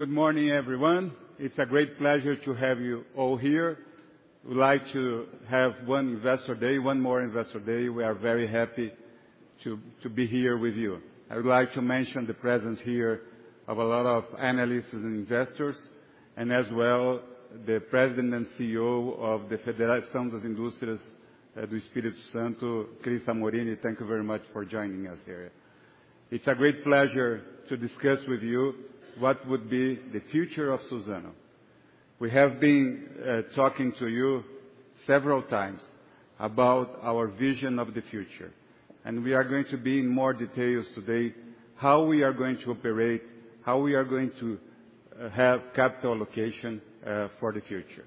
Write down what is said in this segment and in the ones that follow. Good morning, everyone. It's a great pleasure to have you all here. We'd like to have one investor day, one more investor day. We are very happy to be here with you. I would like to mention the presence here of a lot of analysts and investors, and as well, the President and CEO of the Federação das Indústrias do Espírito Santo, Cris Samorini, thank you very much for joining us here. It's a great pleasure to discuss with you what would be the future of Suzano. We have been talking to you several times about our vision of the future, and we are going to be in more details today, how we are going to operate, how we are going to have capital allocation for the future.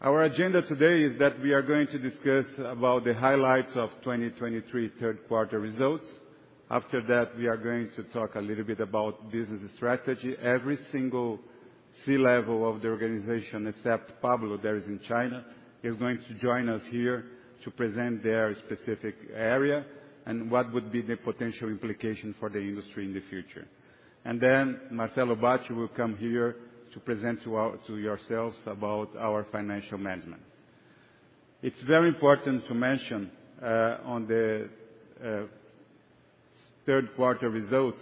Our agenda today is that we are going to discuss about the highlights of 2023 third quarter results. After that, we are going to talk a little bit about business strategy. Every single C-level of the organization, except Pablo, that is in China, is going to join us here to present their specific area and what would be the potential implication for the industry in the future. And then, Marcelo Bacci will come here to present to our- to yourselves about our financial management. It's very important to mention on the third quarter results,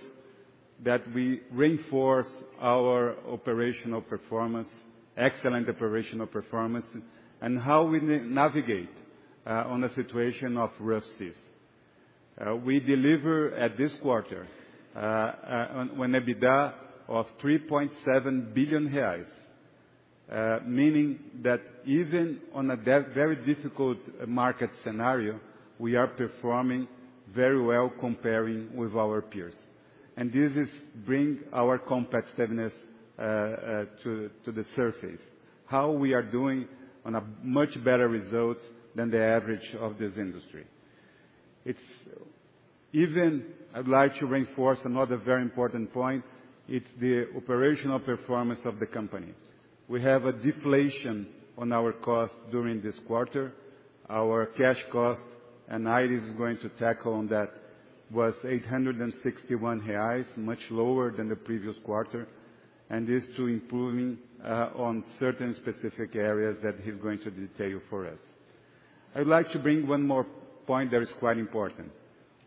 that we reinforce our operational performance, excellent operational performance, and how we navigate on a situation of risk this. We deliver at this quarter an EBITDA of 3.7 billion reais, meaning that even on a very difficult market scenario, we are performing very well comparing with our peers. This is bring our competitiveness to the surface, how we are doing on a much better results than the average of this industry. It's even. I'd like to reinforce another very important point, it's the operational performance of the company. We have a deflation on our cost during this quarter. Our cash cost, and Aires is going to tackle on that, was 861 reais, much lower than the previous quarter, and is to improving on certain specific areas that he's going to detail for us. I'd like to bring one more point that is quite important.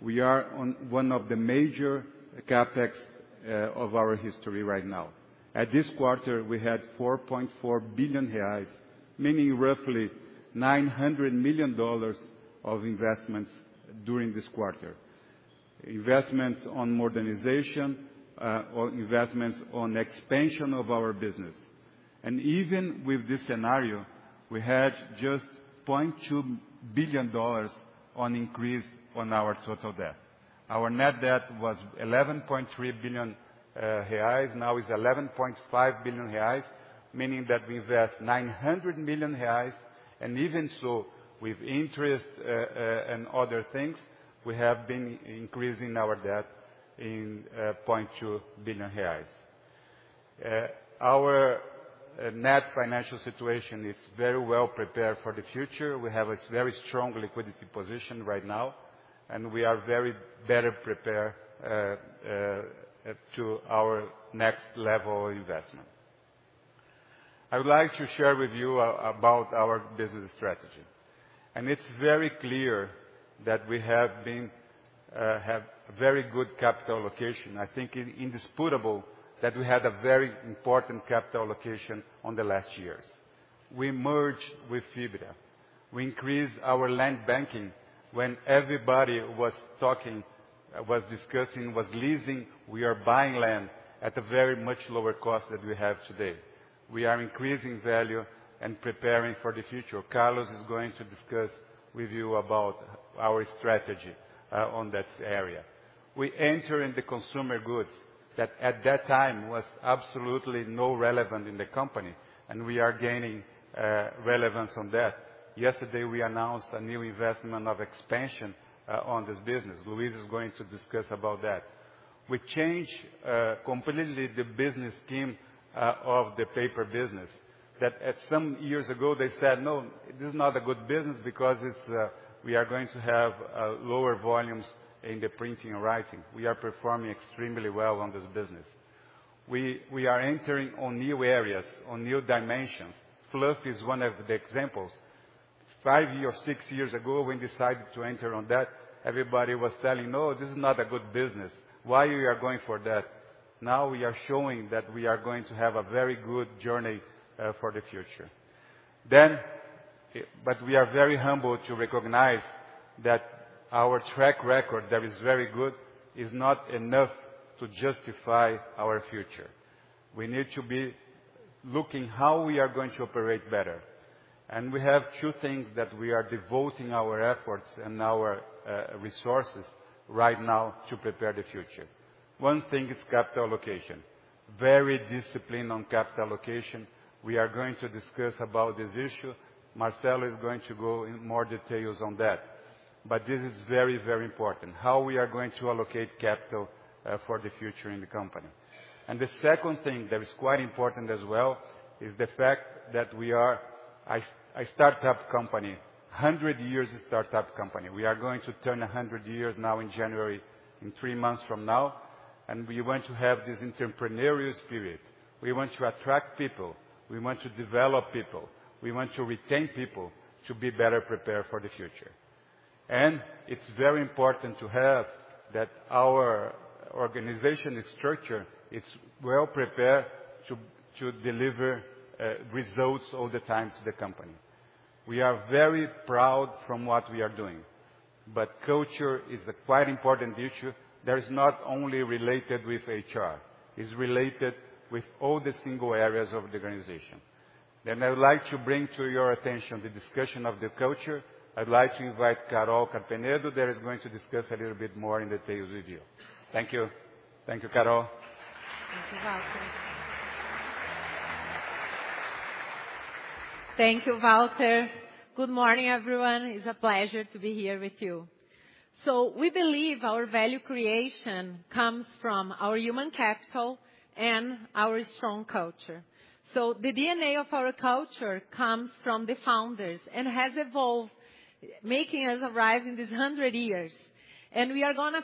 We are on one of the major CapEx of our history right now. At this quarter, we had 4.4 billion reais, meaning roughly $900 million of investments during this quarter. Investments on modernization, or investments on expansion of our business. Even with this scenario, we had just $200 million on increase on our total debt. Our net debt was 11.3 billion reais, now is 11.5 billion reais, meaning that we invest 900 million reais, and even so, with interest and other things, we have been increasing our debt in 200 million reais. Our net financial situation is very well prepared for the future. We have a very strong liquidity position right now, and we are very better prepared to our next level of investment. I would like to share with you about our business strategy, and it's very clear that we have been, have very good capital allocation. I think it's indisputable that we had a very important capital allocation on the last years. We merged with Fibria. We increased our land banking. When everybody was talking, was discussing, was leasing, we are buying land at a very much lower cost than we have today. We are increasing value and preparing for the future. Carlos is going to discuss with you about our strategy, on that area. We enter in the consumer goods, that at that time was absolutely no relevant in the company, and we are gaining, relevance on that. Yesterday, we announced a new investment of expansion, on this business. Luis is going to discuss about that. We changed completely the business team of the paper business, that at some years ago, they said, "No, this is not a good business because it's we are going to have lower volumes in the printing and writing." We are performing extremely well on this business. We, we are entering on new areas, on new dimensions. Fluff is one of the examples. 5 year, 6 years ago, when we decided to enter on that, everybody was telling, "No, this is not a good business. Why you are going for that?" Now, we are showing that we are going to have a very good journey for the future. Then, but we are very humble to recognize that our track record, that is very good, is not enough to justify our future. We need to be looking how we are going to operate better, and we have two things that we are devoting our efforts and our resources right now to prepare the future. One thing is capital allocation. Very disciplined on capital allocation. We are going to discuss about this issue. Marcelo is going to go in more details on that. But this is very, very important, how we are going to allocate capital for the future in the company. And the second thing that is quite important as well is the fact that we are a startup company, 100 years of startup company. We are going to turn 100 years now in January, in 3 months from now, and we want to have this entrepreneurial spirit. We want to attract people, we want to develop people, we want to retain people to be better prepared for the future. And it's very important to have that our organization and structure is well prepared to to deliver results all the time to the company. We are very proud from what we are doing, but culture is a quite important issue that is not only related with HR, is related with all the single areas of the organization. Then I would like to bring to your attention the discussion of the culture. I'd like to invite Caroline Carpenedo, that is going to discuss a little bit more in detail with you. Thank you. Thank you, Carol. Thank you, Walter. Thank you, Walter. Good morning, everyone. It's a pleasure to be here with you. So we believe our value creation comes from our human capital and our strong culture. So the DNA of our culture comes from the founders and has evolved, making us arrive in these hundred years, and we are gonna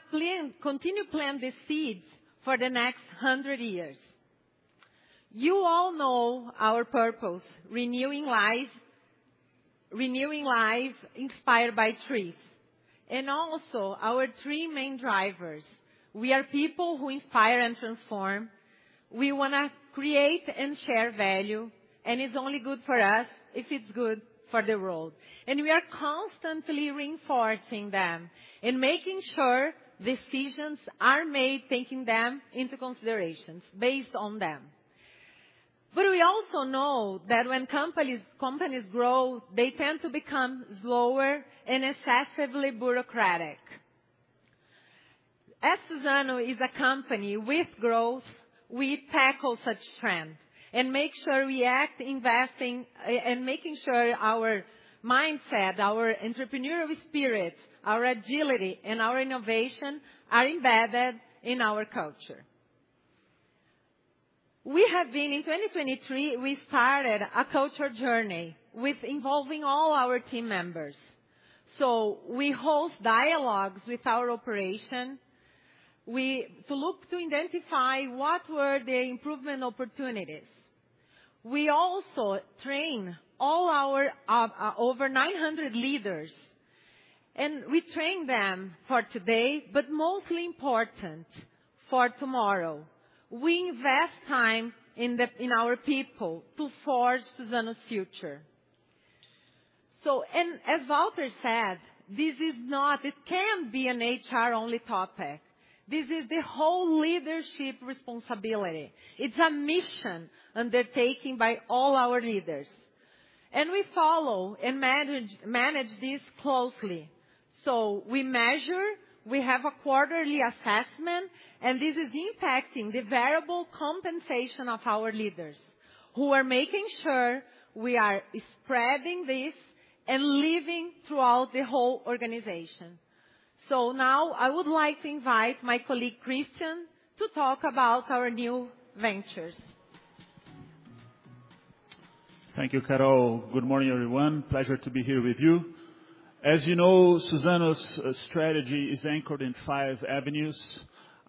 continue plant the seeds for the next hundred years. You all know our purpose: renewing life, renewing life, inspired by trees, and also our three main drivers. We are people who inspire and transform. We wanna create and share value, and it's only good for us if it's good for the world. And we are constantly reinforcing them and making sure decisions are made, taking them into considerations, based on them. But we also know that when companies, companies grow, they tend to become slower and excessively bureaucratic. As Suzano is a company with growth, we tackle such trends and make sure we act, investing, and making sure our mindset, our entrepreneurial spirit, our agility, and our innovation are embedded in our culture. In 2023, we started a culture journey involving all our team members. So we host dialogues with our operation to look to identify what were the improvement opportunities. We also train all our over 900 leaders, and we train them for today, but most important, for tomorrow. We invest time in our people to forge Suzano's future. So, and as Walter said, this is not, it can't be an HR-only topic. This is the whole leadership responsibility. It's a mission undertaken by all our leaders, and we follow and manage this closely. So we measure, we have a quarterly assessment, and this is impacting the variable compensation of our leaders, who are making sure we are spreading this and living throughout the whole organization. So now, I would like to invite my colleague, Christian, to talk about our new ventures. Thank you, Carol. Good morning, everyone. Pleasure to be here with you. As you know, Suzano's strategy is anchored in five avenues.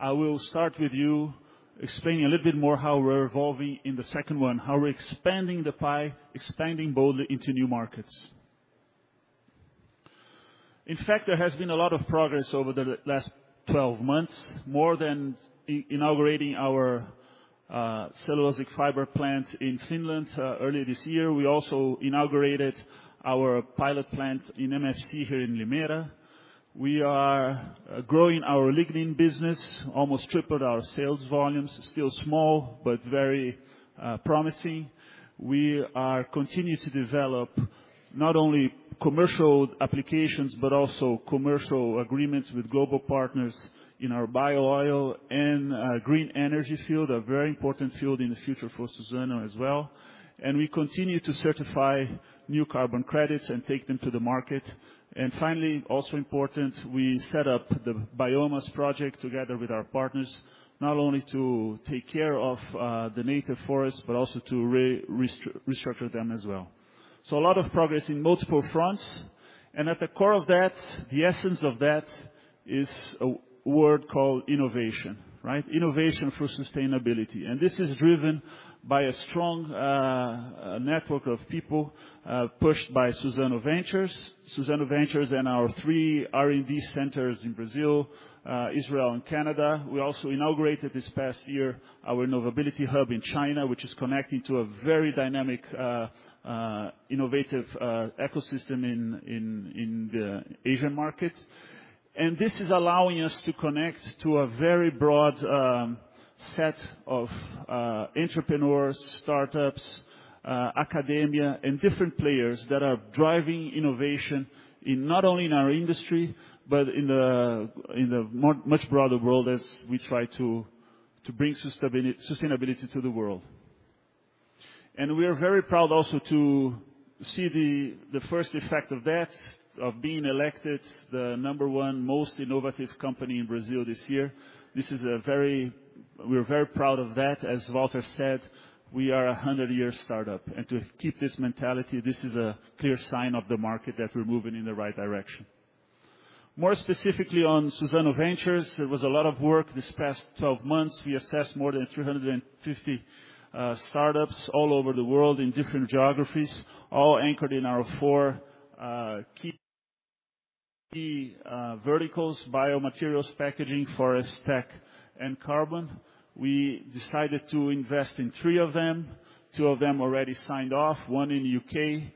I will start with you, explaining a little bit more how we're evolving in the second one, how we're expanding the pie, expanding boldly into new markets. In fact, there has been a lot of progress over the last 12 months, more than inaugurating our cellulosic fiber plant in Finland earlier this year. We also inaugurated our pilot plant in MFC here in Limeira. We are growing our lignin business, almost tripled our sales volumes, still small, but very promising. We are continuing to develop not only commercial applications, but also commercial agreements with global partners in our biooil and green energy field, a very important field in the future for Suzano as well. We continue to certify new carbon credits and take them to the market. Finally, also important, we set up the Biomas project together with our partners, not only to take care of the native forest, but also to restructure them as well. So a lot of progress in multiple fronts, and at the core of that, the essence of that is a word called innovation, right? Innovation through sustainability. And this is driven by a strong network of people, pushed by Suzano Ventures. Suzano Ventures and our three R&D centers in Brazil, Israel and Canada. We also inaugurated this past year our Innovability hub in China, which is connecting to a very dynamic innovative ecosystem in the Asian market. This is allowing us to connect to a very broad set of entrepreneurs, startups, academia, and different players that are driving innovation not only in our industry, but in the much broader world as we try to bring sustainability to the world. We are very proud also to see the first effect of that, of being elected the number one most innovative company in Brazil this year. This is a very—we're very proud of that. As Walter said, we are a hundred-year startup, and to keep this mentality, this is a clear sign to the market that we're moving in the right direction. More specifically, on Suzano Ventures, there was a lot of work this past 12 months. We assessed more than 350 startups all over the world in different geographies, all anchored in our four key, key verticals: biomaterials, packaging, forest tech, and carbon. We decided to invest in three of them. Two of them already signed off, one in the U.K.,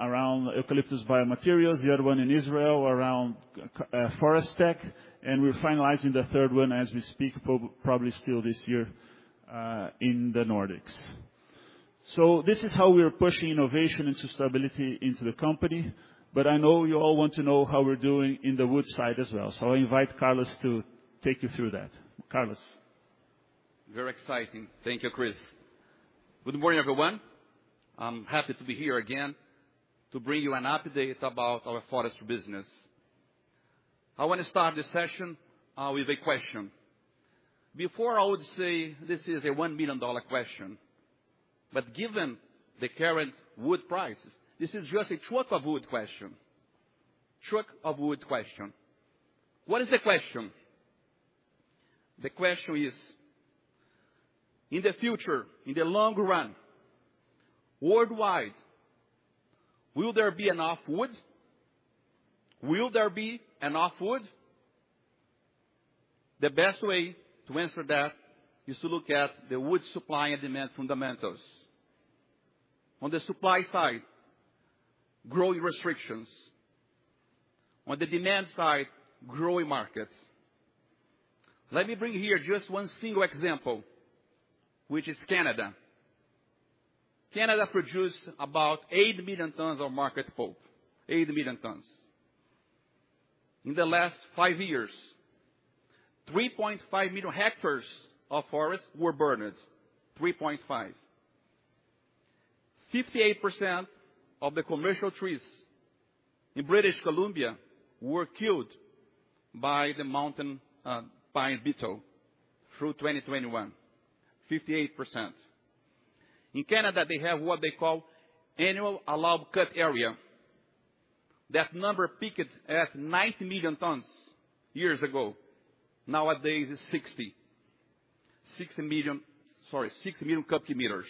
around eucalyptus biomaterials, the other one in Israel, around forest tech, and we're finalizing the third one as we speak, probably still this year, in the Nordics. This is how we're pushing innovation and sustainability into the company, but I know you all want to know how we're doing in the wood side as well, so I invite Carlos to take you through that. Carlos? Very exciting. Thank you, Chris. Good morning, everyone. I'm happy to be here again to bring you an update about our forest business. I want to start this session with a question. Before, I would say this is a $1 million question, but given the current wood prices, this is just a truck of wood question. Truck of wood question. What is the question? The question is, in the future, in the long run, worldwide, will there be enough wood? Will there be enough wood? The best way to answer that is to look at the wood supply and demand fundamentals. On the supply side, growing restrictions. On the demand side, growing markets. Let me bring here just one single example, which is Canada. Canada produced about 8 million tons of market pulp. 8 million tons. In the last five years, 3.5 million hectares of forest were burned. 3.5. 58% of the commercial trees in British Columbia were killed by the mountain pine beetle through 2021. 58%. In Canada, they have what they call annual allowed cut area. That number peaked at 90 million tons years ago. Nowadays, it's 60. 60 million—sorry, 60 million cubic meters.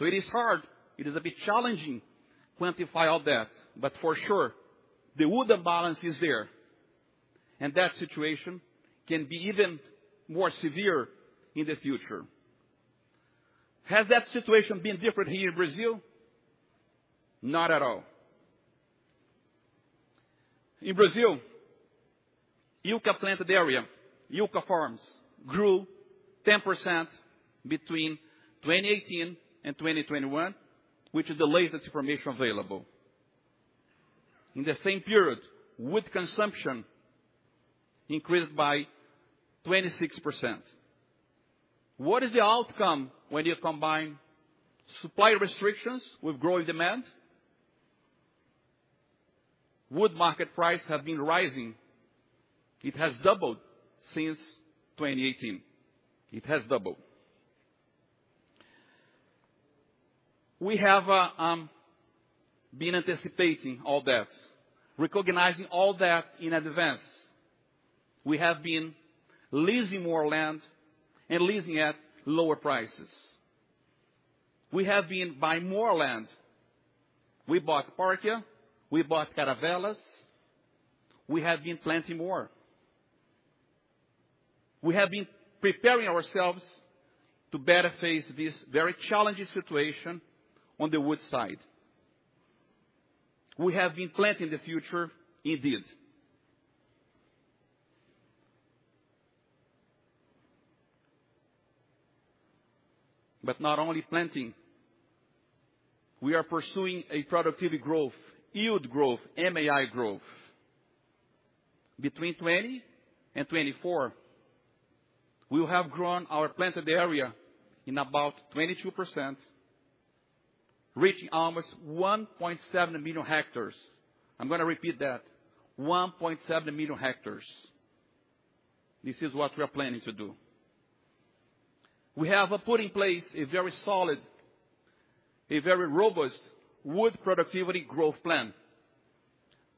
It is hard, it is a bit challenging to quantify all that, but for sure, the wood imbalance is there, and that situation can be even more severe in the future. Has that situation been different here in Brazil? Not at all. In Brazil, eucalyptus planted area, eucalyptus farms, grew 10% between 2018 and 2021, which is the latest information available. In the same period, wood consumption increased by 26%. What is the outcome when you combine supply restrictions with growing demand? Wood market price have been rising. It has doubled since 2018. It has doubled. We have been anticipating all that, recognizing all that in advance. We have been leasing more land and leasing at lower prices. We have been buying more land. We bought Parkia, we bought Caravelas, we have been planting more. We have been preparing ourselves to better face this very challenging situation on the wood side. We have been planting the future indeed. But not only planting, we are pursuing a productivity growth, yield growth, MAI growth. Between 2020 and 2024, we will have grown our planted area in about 22%, reaching almost 1.7 million hectares. I'm gonna repeat that, 1.7 million hectares. This is what we are planning to do. We have put in place a very solid, a very robust wood productivity growth plan.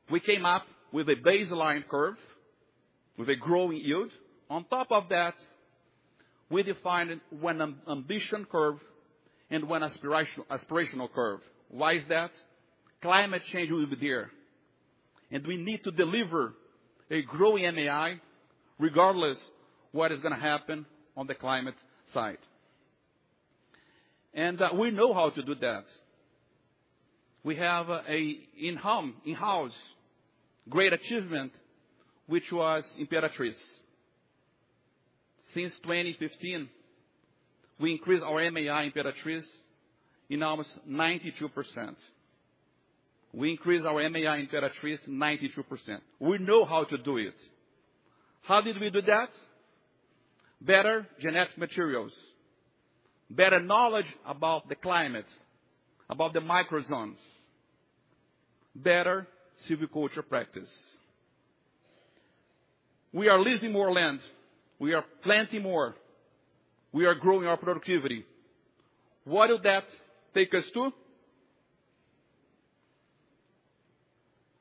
We came up with a baseline curve, with a growing yield. On top of that, we defined one ambition curve and one aspirational curve. Why is that? Climate change will be here, and we need to deliver a growing MAI, regardless what is gonna happen on the climate side. We know how to do that. We have an in-house great achievement, which was Imperatriz. Since 2015, we increased our MAI in Imperatriz in almost 92%. We increased our MAI in Imperatriz 92%. We know how to do it. How did we do that? Better genetic materials, better knowledge about the climate, about the microzones, better silviculture practice. We are leasing more land, we are planting more, we are growing our productivity. What will that take us to?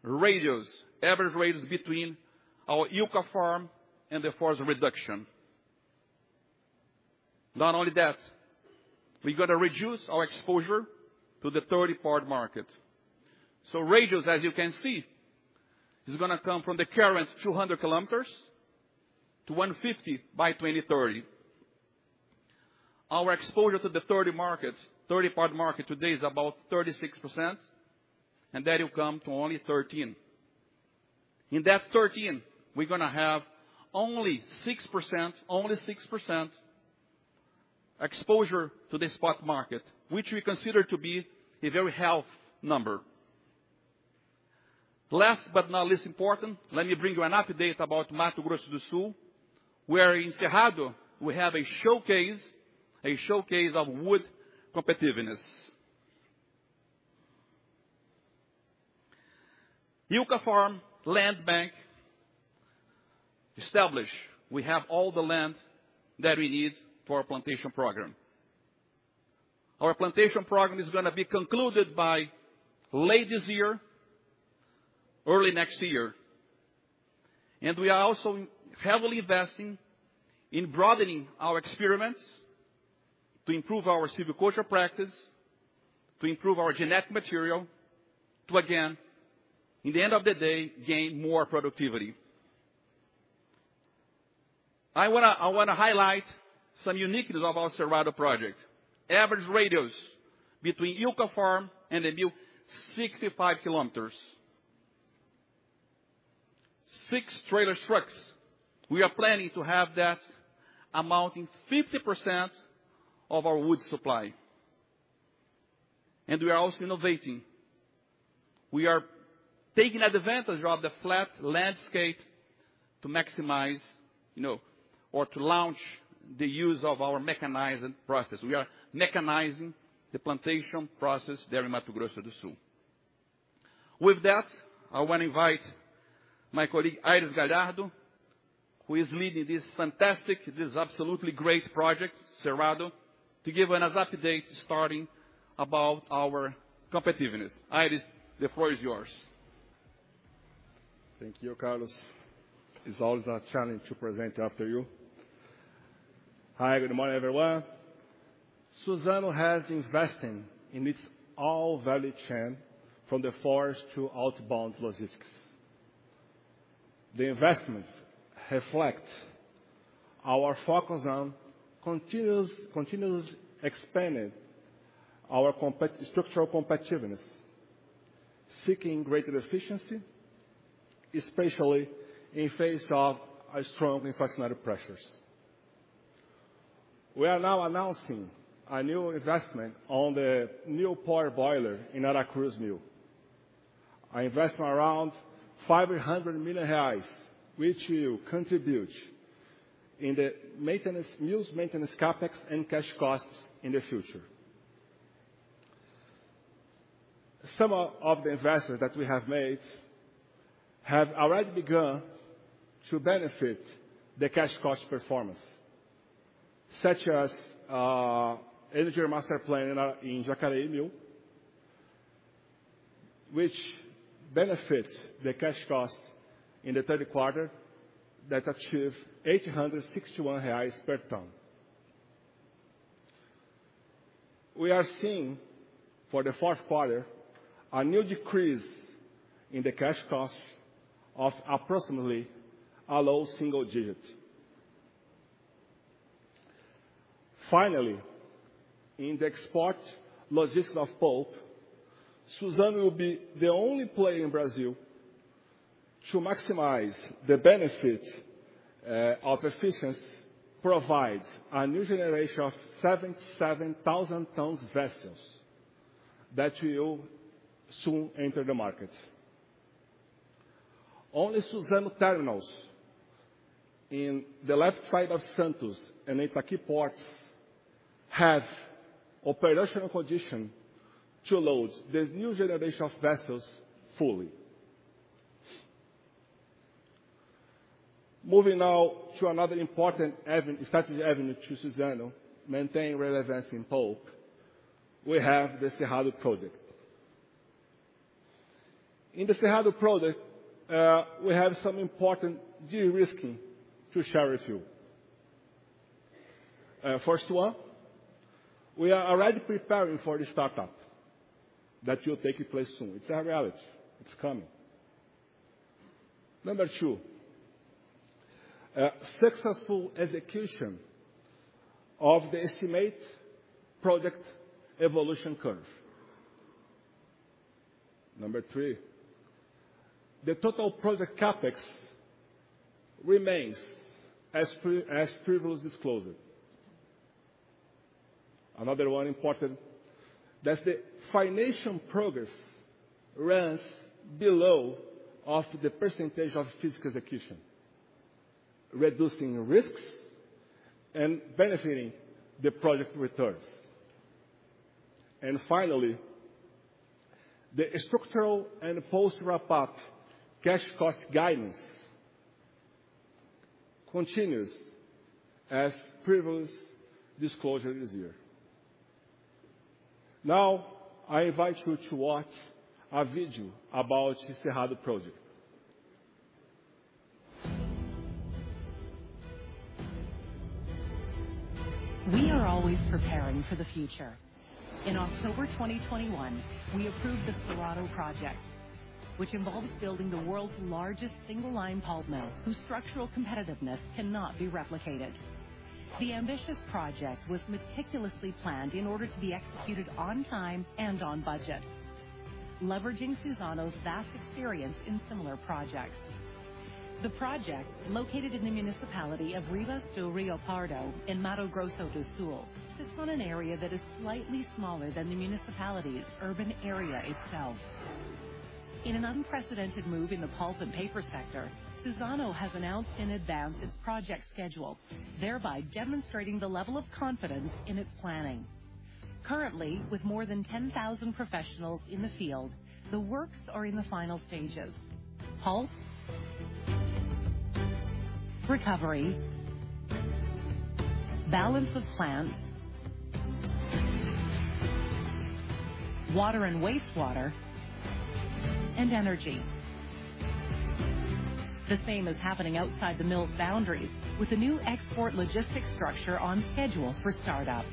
Radius, average radius between our Eucafarm and the forest reduction. Not only that, we're gonna reduce our exposure to the third-party market. So radius, as you can see, is gonna come from the current 200 kilometers to 150 by 2030. Our exposure to the third-party market, third-party market today is about 36%, and that will come to only 13%. In that 13%, we're gonna have only 6%, only 6% exposure to the spot market, which we consider to be a very healthy number. Last but not least important, let me bring you an update about Mato Grosso do Sul, where in Cerrado, we have a showcase, a showcase of wood competitiveness. Eucafarm land bank established. We have all the land that we need for our plantation program. Our plantation program is gonna be concluded by late this year, early next year, and we are also heavily investing in broadening our experiments to improve our silviculture practice, to improve our genetic material, to again, in the end of the day, gain more productivity. I wanna, I wanna highlight some uniqueness of our Cerrado project. Average radius between euca farm and the mill, 65 kilometers. 6 trailer trucks, we are planning to have that amounting 50% of our wood supply. And we are also innovating. We are taking advantage of the flat landscape to maximize, you know, or to launch the use of our mechanizing process. We are mechanizing the plantation process there in Mato Grosso do Sul. With that, I want to invite my colleague, Aires Galhardo, who is leading this fantastic, this absolutely great project, Cerrado, to give us an update starting about our competitiveness. Aires, the floor is yours. Thank you, Carlos. It's always a challenge to present after you. Hi, good morning, everyone. Suzano has investing in its all value chain from the forest to outbound logistics. The investments reflect our focus on continuously expanding our structural competitiveness, seeking greater efficiency, especially in face of strong inflationary pressures. We are now announcing a new investment on the new power boiler in Araucaria's mill. An investment around 500 million reais, which will contribute in the maintenance, mill's maintenance CapEx and cash costs in the future. Some of the investments that we have made have already begun to benefit the cash cost performance, such as energy master plan in Jacareí mill, which benefits the cash costs in the third quarter that achieve 861 reais per ton. We are seeing for the fourth quarter, a new decrease in the cash cost of approximately a low single digit. Finally, in the export logistics of pulp, Suzano will be the only player in Brazil to maximize the benefits of efficiency, provides a new generation of 77,000 tons vessels that will soon enter the market. Only Suzano terminals in the left side of Santos and Itaqui ports have operational condition to load the new generation of vessels fully. Moving now to another important avenue, strategic avenue to Suzano, maintain relevance in pulp, we have the Cerrado project. In the Cerrado project, we have some important de-risking to share with you. First one, we are already preparing for the startup that will take place soon. It's a reality. It's coming. Number two, successful execution of the estimate project evolution curve. Number three, the total project CapEx remains as previously disclosed. Another important one, that's the financial progress runs below the percentage of physical execution... reducing risks and benefiting the project returns. And finally, the structural and post ramp-up cash cost guidance continues as previous disclosure this year. Now, I invite you to watch a video about the Cerrado project. We are always preparing for the future. In October 2021, we approved the Cerrado project, which involves building the world's largest single-line pulp mill, whose structural competitiveness cannot be replicated. The ambitious project was meticulously planned in order to be executed on time and on budget, leveraging Suzano's vast experience in similar projects. The project, located in the municipality of Ribas do Rio Pardo in Mato Grosso do Sul, sits on an area that is slightly smaller than the municipality's urban area itself. In an unprecedented move in the pulp and paper sector, Suzano has announced in advance its project schedule, thereby demonstrating the level of confidence in its planning. Currently, with more than 10,000 professionals in the field, the works are in the final stages. Pulp, recovery, balance of plants, water and wastewater, and energy. The same is happening outside the mill's boundaries, with a new export logistics structure on schedule for startup.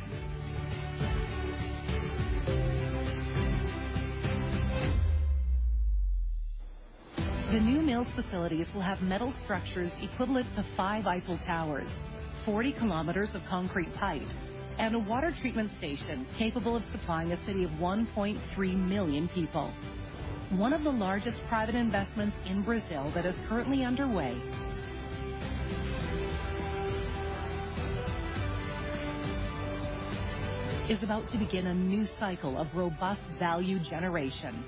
The new mill's facilities will have metal structures equivalent to 5 Eiffel Towers, 40 kilometers of concrete pipes, and a water treatment station capable of supplying a city of 1.3 million people. One of the largest private investments in Brazil that is currently underway is about to begin a new cycle of robust value generation.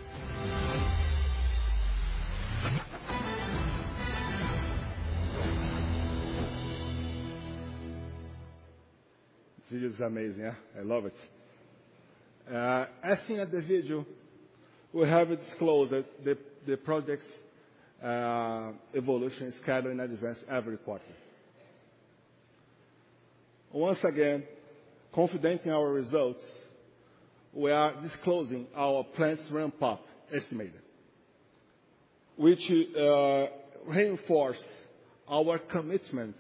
This video is amazing, huh? I love it. As seen at the video, we have disclosed that the project's evolution schedule in advance every quarter. Once again, confidence in our results, we are disclosing our plans ramp-up estimated, which reinforce our commitment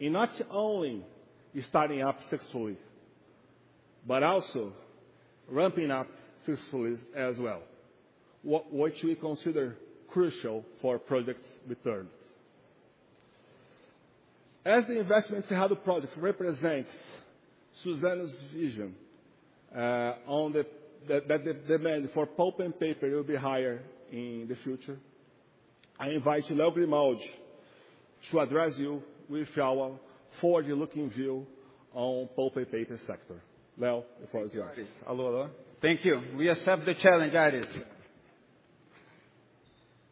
in not only starting up successfully, but also ramping up successfully as well, which we consider crucial for project returns. As the investment Cerrado Project represents Suzano's vision, on that the demand for pulp and paper will be higher in the future, I invite Leo Grimaldi to address you with our forward-looking view on pulp and paper sector. Leo, the floor is yours. Hello, hello. Thank you. We accept the challenge, Aires.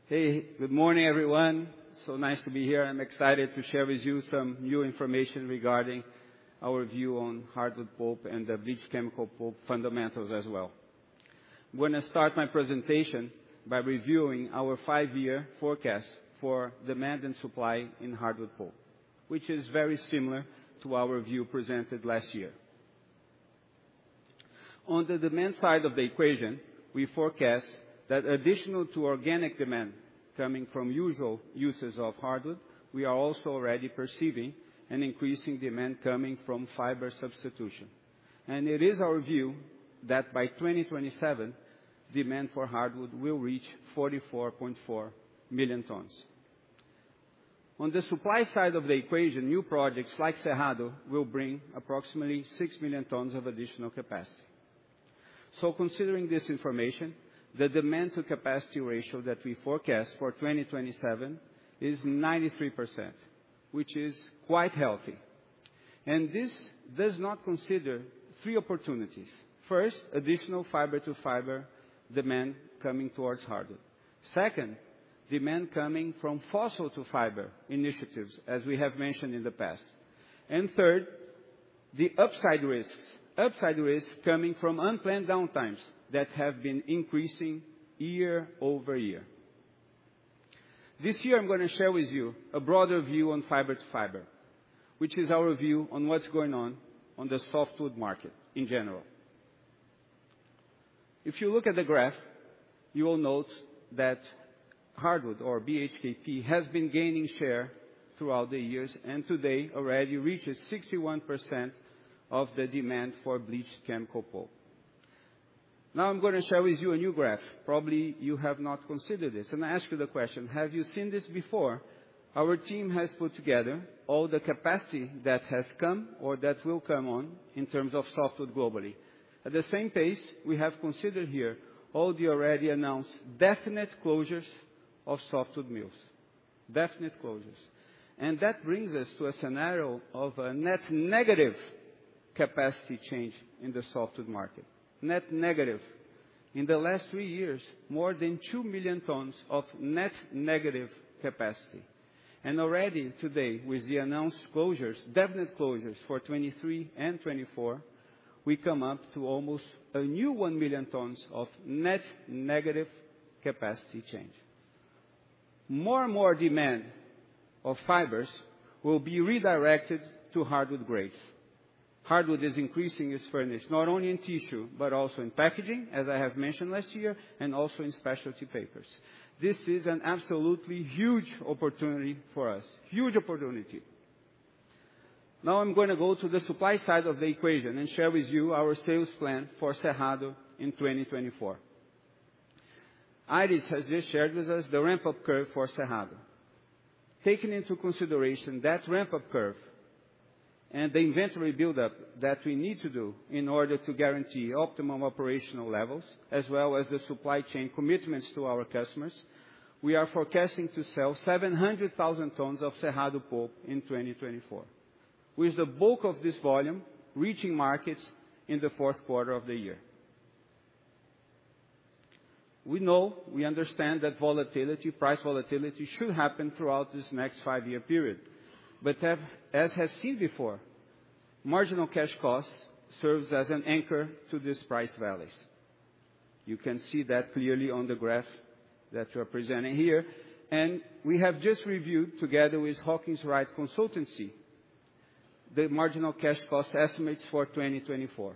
Hey, good morning, everyone. So nice to be here. I'm excited to share with you some new information regarding our view on hardwood pulp and the bleached chemical pulp fundamentals as well. I'm gonna start my presentation by reviewing our five-year forecast for demand and supply in hardwood pulp, which is very similar to our view presented last year. On the demand side of the equation, we forecast that additional to organic demand coming from usual uses of hardwood, we are also already perceiving an increasing demand coming from fiber substitution. It is our view that by 2027, demand for hardwood will reach 44.4 million tons. On the supply side of the equation, new projects like Cerrado will bring approximately 6 million tons of additional capacity. So considering this information, the demand to capacity ratio that we forecast for 2027 is 93%, which is quite healthy, and this does not consider three opportunities. First, additional fiber to fiber demand coming towards hardwood. Second, demand coming from fossil to fiber initiatives, as we have mentioned in the past. And third, the upside risks. Upside risks coming from unplanned downtimes that have been increasing year-over-year. This year, I'm gonna share with you a broader view on fiber to fiber, which is our view on what's going on, on the softwood market in general. If you look at the graph, you will note that hardwood or BHKP, has been gaining share throughout the years, and today already reaches 61% of the demand for bleached chemical pulp. Now, I'm gonna share with you a new graph. Probably, you have not considered this, and I ask you the question: Have you seen this before? Our team has put together all the capacity that has come or that will come on in terms of softwood globally. At the same pace, we have considered here all the already announced definite closures of softwood mills. Definite closures. And that brings us to a scenario of a net negative capacity change in the softwood market. Net negative. In the last three years, more than 2 million tons of net negative capacity. And already today, with the announced closures, definite closures for 2023 and 2024, we come up to almost a new 1 million tons of net negative capacity change. More and more demand of fibers will be redirected to hardwood grades. Hardwood is increasing its furnish, not only in tissue, but also in packaging, as I have mentioned last year, and also in specialty papers. This is an absolutely huge opportunity for us. Huge opportunity! Now, I'm gonna go to the supply side of the equation and share with you our sales plan for Cerrado in 2024. Aires has just shared with us the ramp-up curve for Cerrado. Taking into consideration that ramp-up curve and the inventory buildup that we need to do in order to guarantee optimum operational levels, as well as the supply chain commitments to our customers, we are forecasting to sell 700,000 tons of Cerrado pulp in 2024, with the bulk of this volume reaching markets in the fourth quarter of the year. We know, we understand that volatility, price volatility, should happen throughout this next five-year period, but as has been seen before, marginal cash costs serve as an anchor to these price valleys. You can see that clearly on the graph that we're presenting here, and we have just reviewed, together with Hawkins Wright Consultancy, the marginal cash cost estimates for 2024.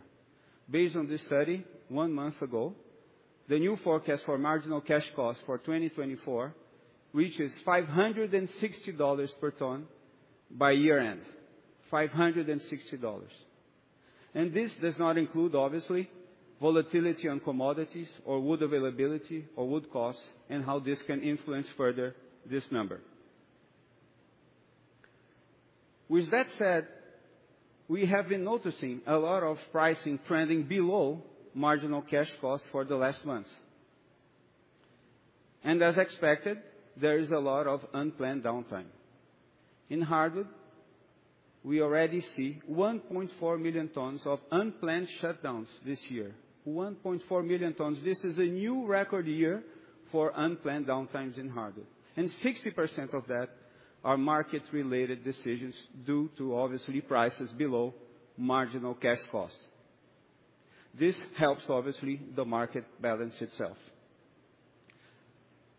Based on this study, one month ago, the new forecast for marginal cash cost for 2024 reaches $560 per ton by year-end. $560. And this does not include, obviously, volatility on commodities or wood availability, or wood costs, and how this can influence further this number. With that said, we have been noticing a lot of pricing trending below marginal cash costs for the last months. And as expected, there is a lot of unplanned downtime. In hardwood, we already see 1.4 million tons of unplanned shutdowns this year. 1.4 million tons. This is a new record year for unplanned downtimes in hardwood, and 60% of that are market-related decisions due to, obviously, prices below marginal cash costs. This helps, obviously, the market balance itself.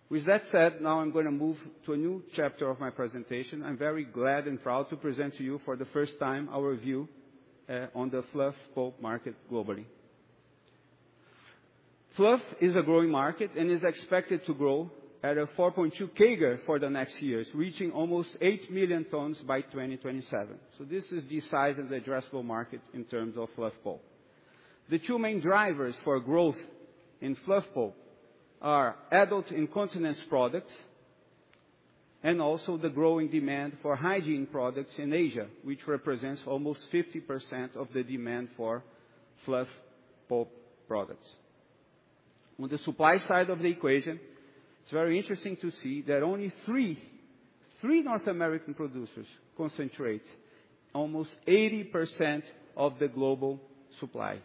With that said, now I'm gonna move to a new chapter of my presentation. I'm very glad and proud to present to you, for the first time, our view on the Fluff Pulp market globally. Fluff is a growing market and is expected to grow at a 4.2% CAGR for the next years, reaching almost 8 million tons by 2027. So this is the size of the addressable market in terms of Fluff Pulp. The two main drivers for growth in fluff pulp are adult incontinence products and also the growing demand for hygiene products in Asia, which represents almost 50% of the demand for fluff pulp products. On the supply side of the equation, it's very interesting to see that only three North American producers concentrate almost 80% of the global supply.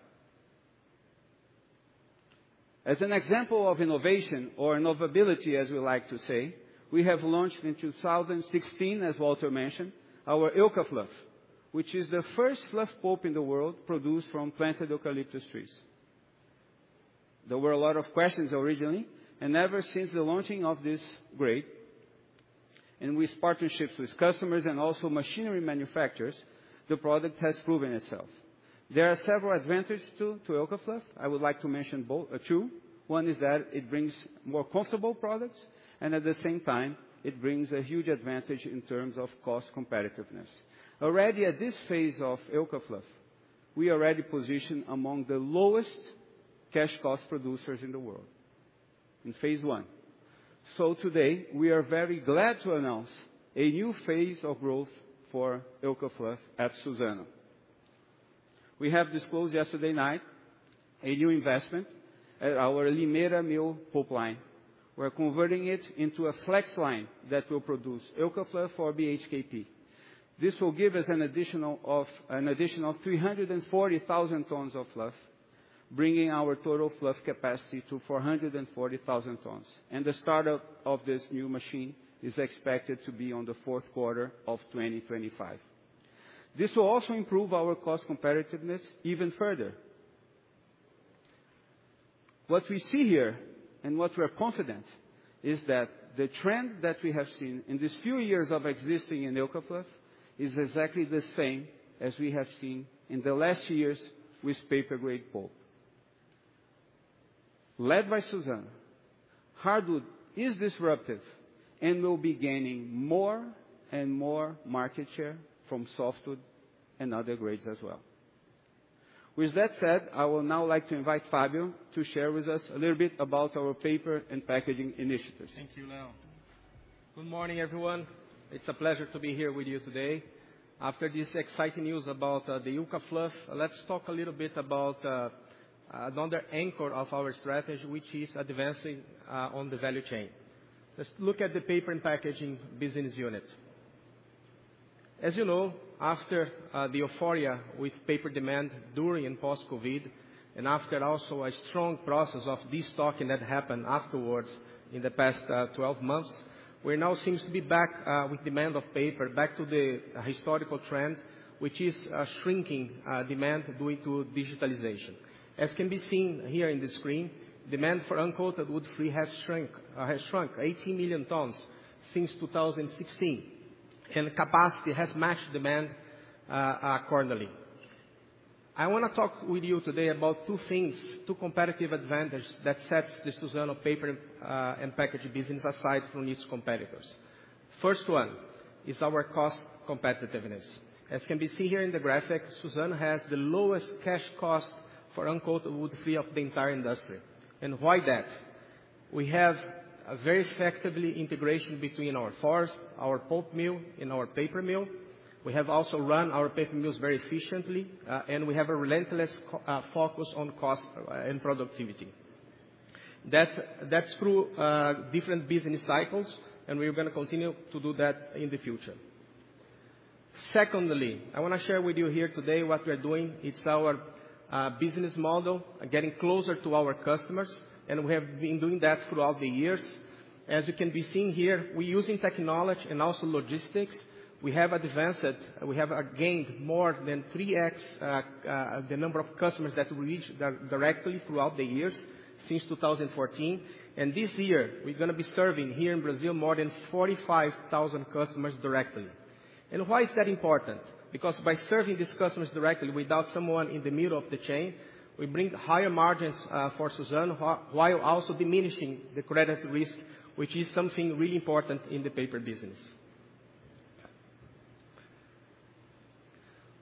As an example of innovation or Innovability, as we like to say, we have launched in 2016, as Walter mentioned, our Eucafluff, which is the first fluff pulp in the world produced from planted eucalyptus trees. There were a lot of questions originally, and ever since the launching of this grade, and with partnerships with customers and also machinery manufacturers, the product has proven itself. There are several advantages to Eucafluff. I would like to mention two. One is that it brings more comfortable products, and at the same time, it brings a huge advantage in terms of cost competitiveness. Already at this phase of Eucafluff, we already position among the lowest cash cost producers in the world, in phase one. So today, we are very glad to announce a new phase of growth for Eucafluff at Suzano. We have disclosed yesterday night, a new investment at our Limeira mill pulp line. We're converting it into a flex line that will produce Eucafluff or BHKP. This will give us an additional three hundred and forty thousand tons of fluff, bringing our total fluff capacity to four hundred and forty thousand tons, and the startup of this new machine is expected to be on the fourth quarter of 2025. This will also improve our cost competitiveness even further. What we see here, and what we're confident, is that the trend that we have seen in these few years of existing in Eucafluff, is exactly the same as we have seen in the last years with paper-grade pulp. Led by Suzano, hardwood is disrupted and will be gaining more and more market share from softwood and other grades as well. With that said, I will now like to invite Fabio to share with us a little bit about our paper and packaging initiatives. Thank you, Leo. Good morning, everyone. It's a pleasure to be here with you today. After this exciting news about the Eucafluff, let's talk a little bit about another anchor of our strategy, which is advancing on the value chain. Just look at the paper and packaging business unit. As you know, after the euphoria with paper demand during and post-COVID, and after also a strong process of destocking that happened afterwards in the past 12 months, we now seems to be back with demand of paper, back to the historical trend, which is a shrinking demand due to digitalization. As can be seen here in the screen, demand for uncoated wood-free has shrunk 18 million tons since 2016, and capacity has matched demand accordingly. I wanna talk with you today about two things, two competitive advantage that sets the Suzano paper and packaging business aside from its competitors. First one is our cost competitiveness. As can be seen here in the graphic, Suzano has the lowest cash cost for uncoated wood-free of the entire industry. And why that? We have a very effectively integration between our forest, our pulp mill, and our paper mill. We have also run our paper mills very efficiently, and we have a relentless focus on cost and productivity. That's through different business cycles, and we're gonna continue to do that in the future. Secondly, I wanna share with you here today what we are doing. It's our business model, getting closer to our customers, and we have been doing that throughout the years. As it can be seen here, we're using technology and also logistics. We have advanced that. We have gained more than 3x the number of customers that we reach directly throughout the years, since 2014. And this year, we're gonna be serving here in Brazil, more than 45,000 customers directly. And why is that important? Because by serving these customers directly without someone in the middle of the chain, we bring higher margins for Suzano, while also diminishing the credit risk, which is something really important in the paper business.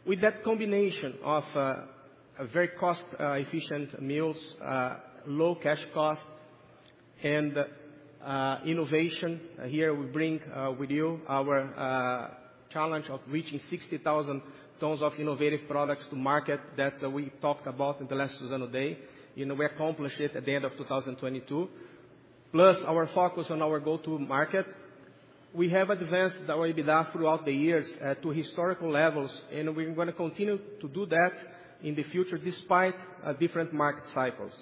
With that combination of a very cost efficient mills, low cash cost, and innovation, here we bring with you our challenge of reaching 60,000 tons of innovative products to market that we talked about in the last Suzano day. You know, we accomplished it at the end of 2022. Plus, our focus on our go-to-market, we have advanced our EBITDA throughout the years to historical levels, and we're gonna continue to do that in the future, despite different market cycles.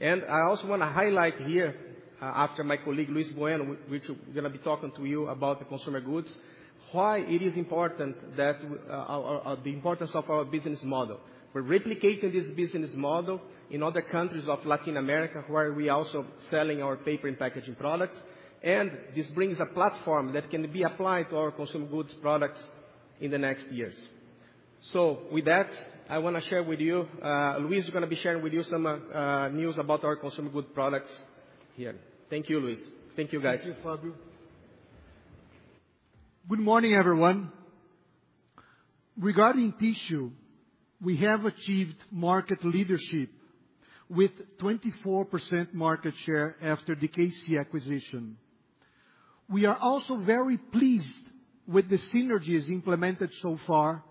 And I also wanna highlight here, after my colleague, Luis Bueno, which gonna be talking to you about the consumer goods, the importance of our business model. We're replicating this business model in other countries of Latin America, where we're also selling our paper and packaging products, and this brings a platform that can be applied to our consumer goods products in the next years. So with that, I wanna share with you, Luis is gonna be sharing with you some news about our consumer goods products here. Thank you, Luis. Thank you, guys. Thank you, Fabio. Good morning, everyone. Regarding tissue, we have achieved market leadership with 24% market share after the KC acquisition. We are also very pleased with the synergies implemented so far,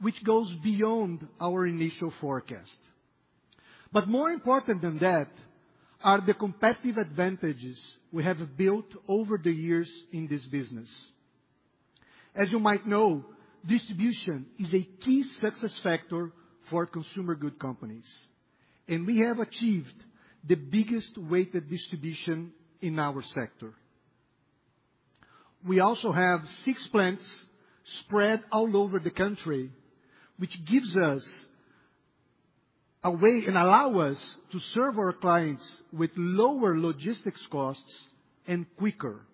which goes beyond our initial forecast. But more important than that, are the competitive advantages we have built over the years in this business. As you might know, distribution is a key success factor for consumer good companies, and we have achieved the biggest weighted distribution in our sector. We also have six plants spread all over the country, which gives us a way and allow us to serve our clients with lower logistics costs and quicker.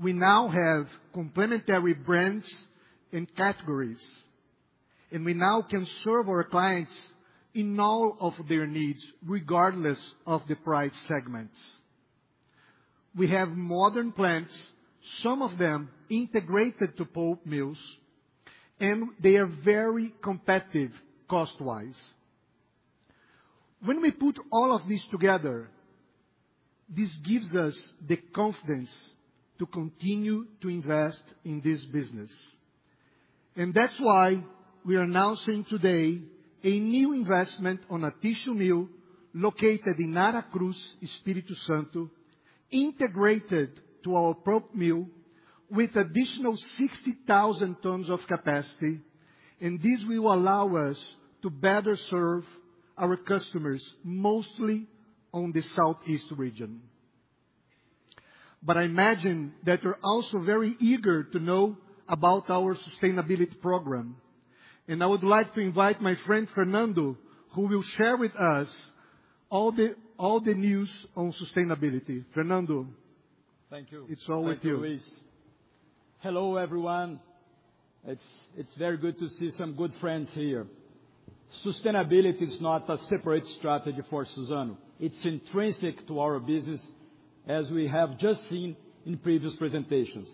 We now have complementary brands and categories, and we now can serve our clients in all of their needs, regardless of the price segments. We have modern plants, some of them integrated to pulp mills, and they are very competitive cost-wise. When we put all of this together, this gives us the confidence to continue to invest in this business. And that's why we are announcing today a new investment on a tissue mill located in Aracruz, Espírito Santo, integrated to our pulp mill with additional 60,000 tons of capacity, and this will allow us to better serve our customers, mostly on the Southeast region. But I imagine that you're also very eager to know about our sustainability program, and I would like to invite my friend, Fernando, who will share with us all the, all the news on sustainability. Fernando- Thank you. It's all with you. Thank you, Luis. Hello, everyone. It's very good to see some good friends here. Sustainability is not a separate strategy for Suzano. It's intrinsic to our business, as we have just seen in previous presentations.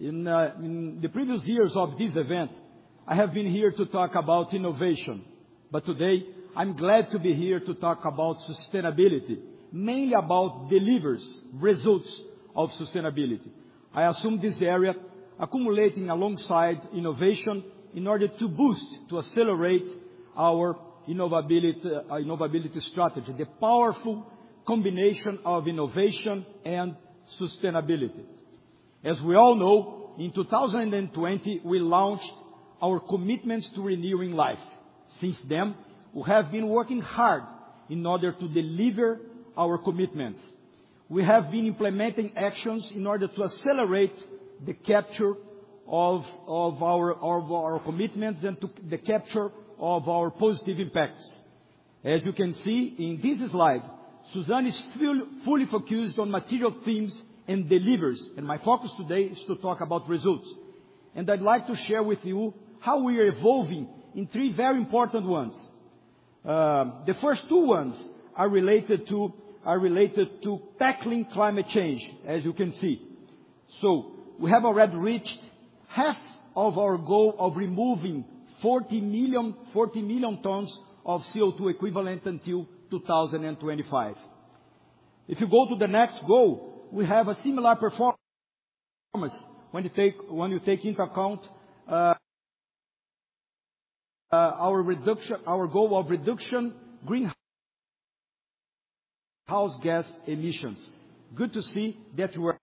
In the previous years of this event, I have been here to talk about innovation, but today I'm glad to be here to talk about sustainability, mainly about deliveries, results.... of sustainability. I assume this area accumulating alongside innovation in order to boost, to accelerate our innovability, innovability strategy, the powerful combination of innovation and sustainability. As we all know, in 2020, we launched our commitments to renewing life. Since then, we have been working hard in order to deliver our commitments. We have been implementing actions in order to accelerate the capture of our commitments and to the capture of our positive impacts. As you can see in this slide, Suzano is still fully focused on material themes and delivers, and my focus today is to talk about results. I'd like to share with you how we are evolving in three very important ones. The first two ones are related to tackling climate change, as you can see. So we have already reached half of our goal of removing 40 million tons of CO2 equivalent until 2025. If you go to the next goal, we have a similar performance when you take into account our goal of reduction greenhouse gas emissions. Good to see that we're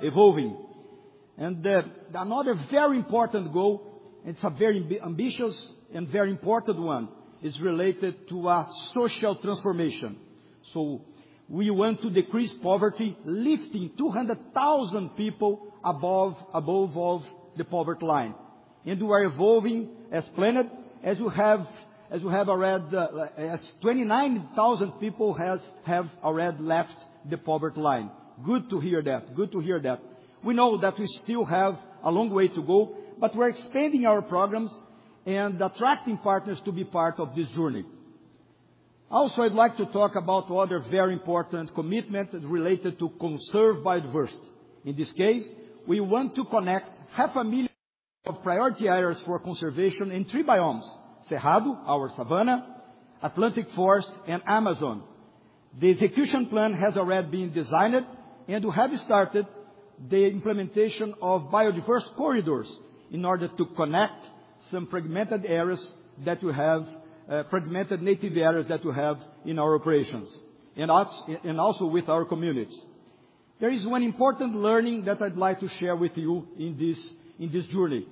evolving. And another very important goal, it's a very ambitious and very important one, is related to social transformation. So we want to decrease poverty, lifting 200,000 people above of the poverty line. And we are evolving as planned, as we have already. As 29,000 people have already left the poverty line. Good to hear that. Good to hear that. We know that we still have a long way to go, but we're expanding our programs and attracting partners to be part of this journey. Also, I'd like to talk about other very important commitment related to conserve biodiversity. In this case, we want to connect half a million of priority areas for conservation in three biomes: Cerrado, our savanna, Atlantic Forest, and Amazon. The execution plan has already been designed, and we have started the implementation of biodiverse corridors in order to connect some fragmented areas that we have, fragmented native areas that we have in our operations, and also with our communities. There is one important learning that I'd like to share with you in this, in this journey.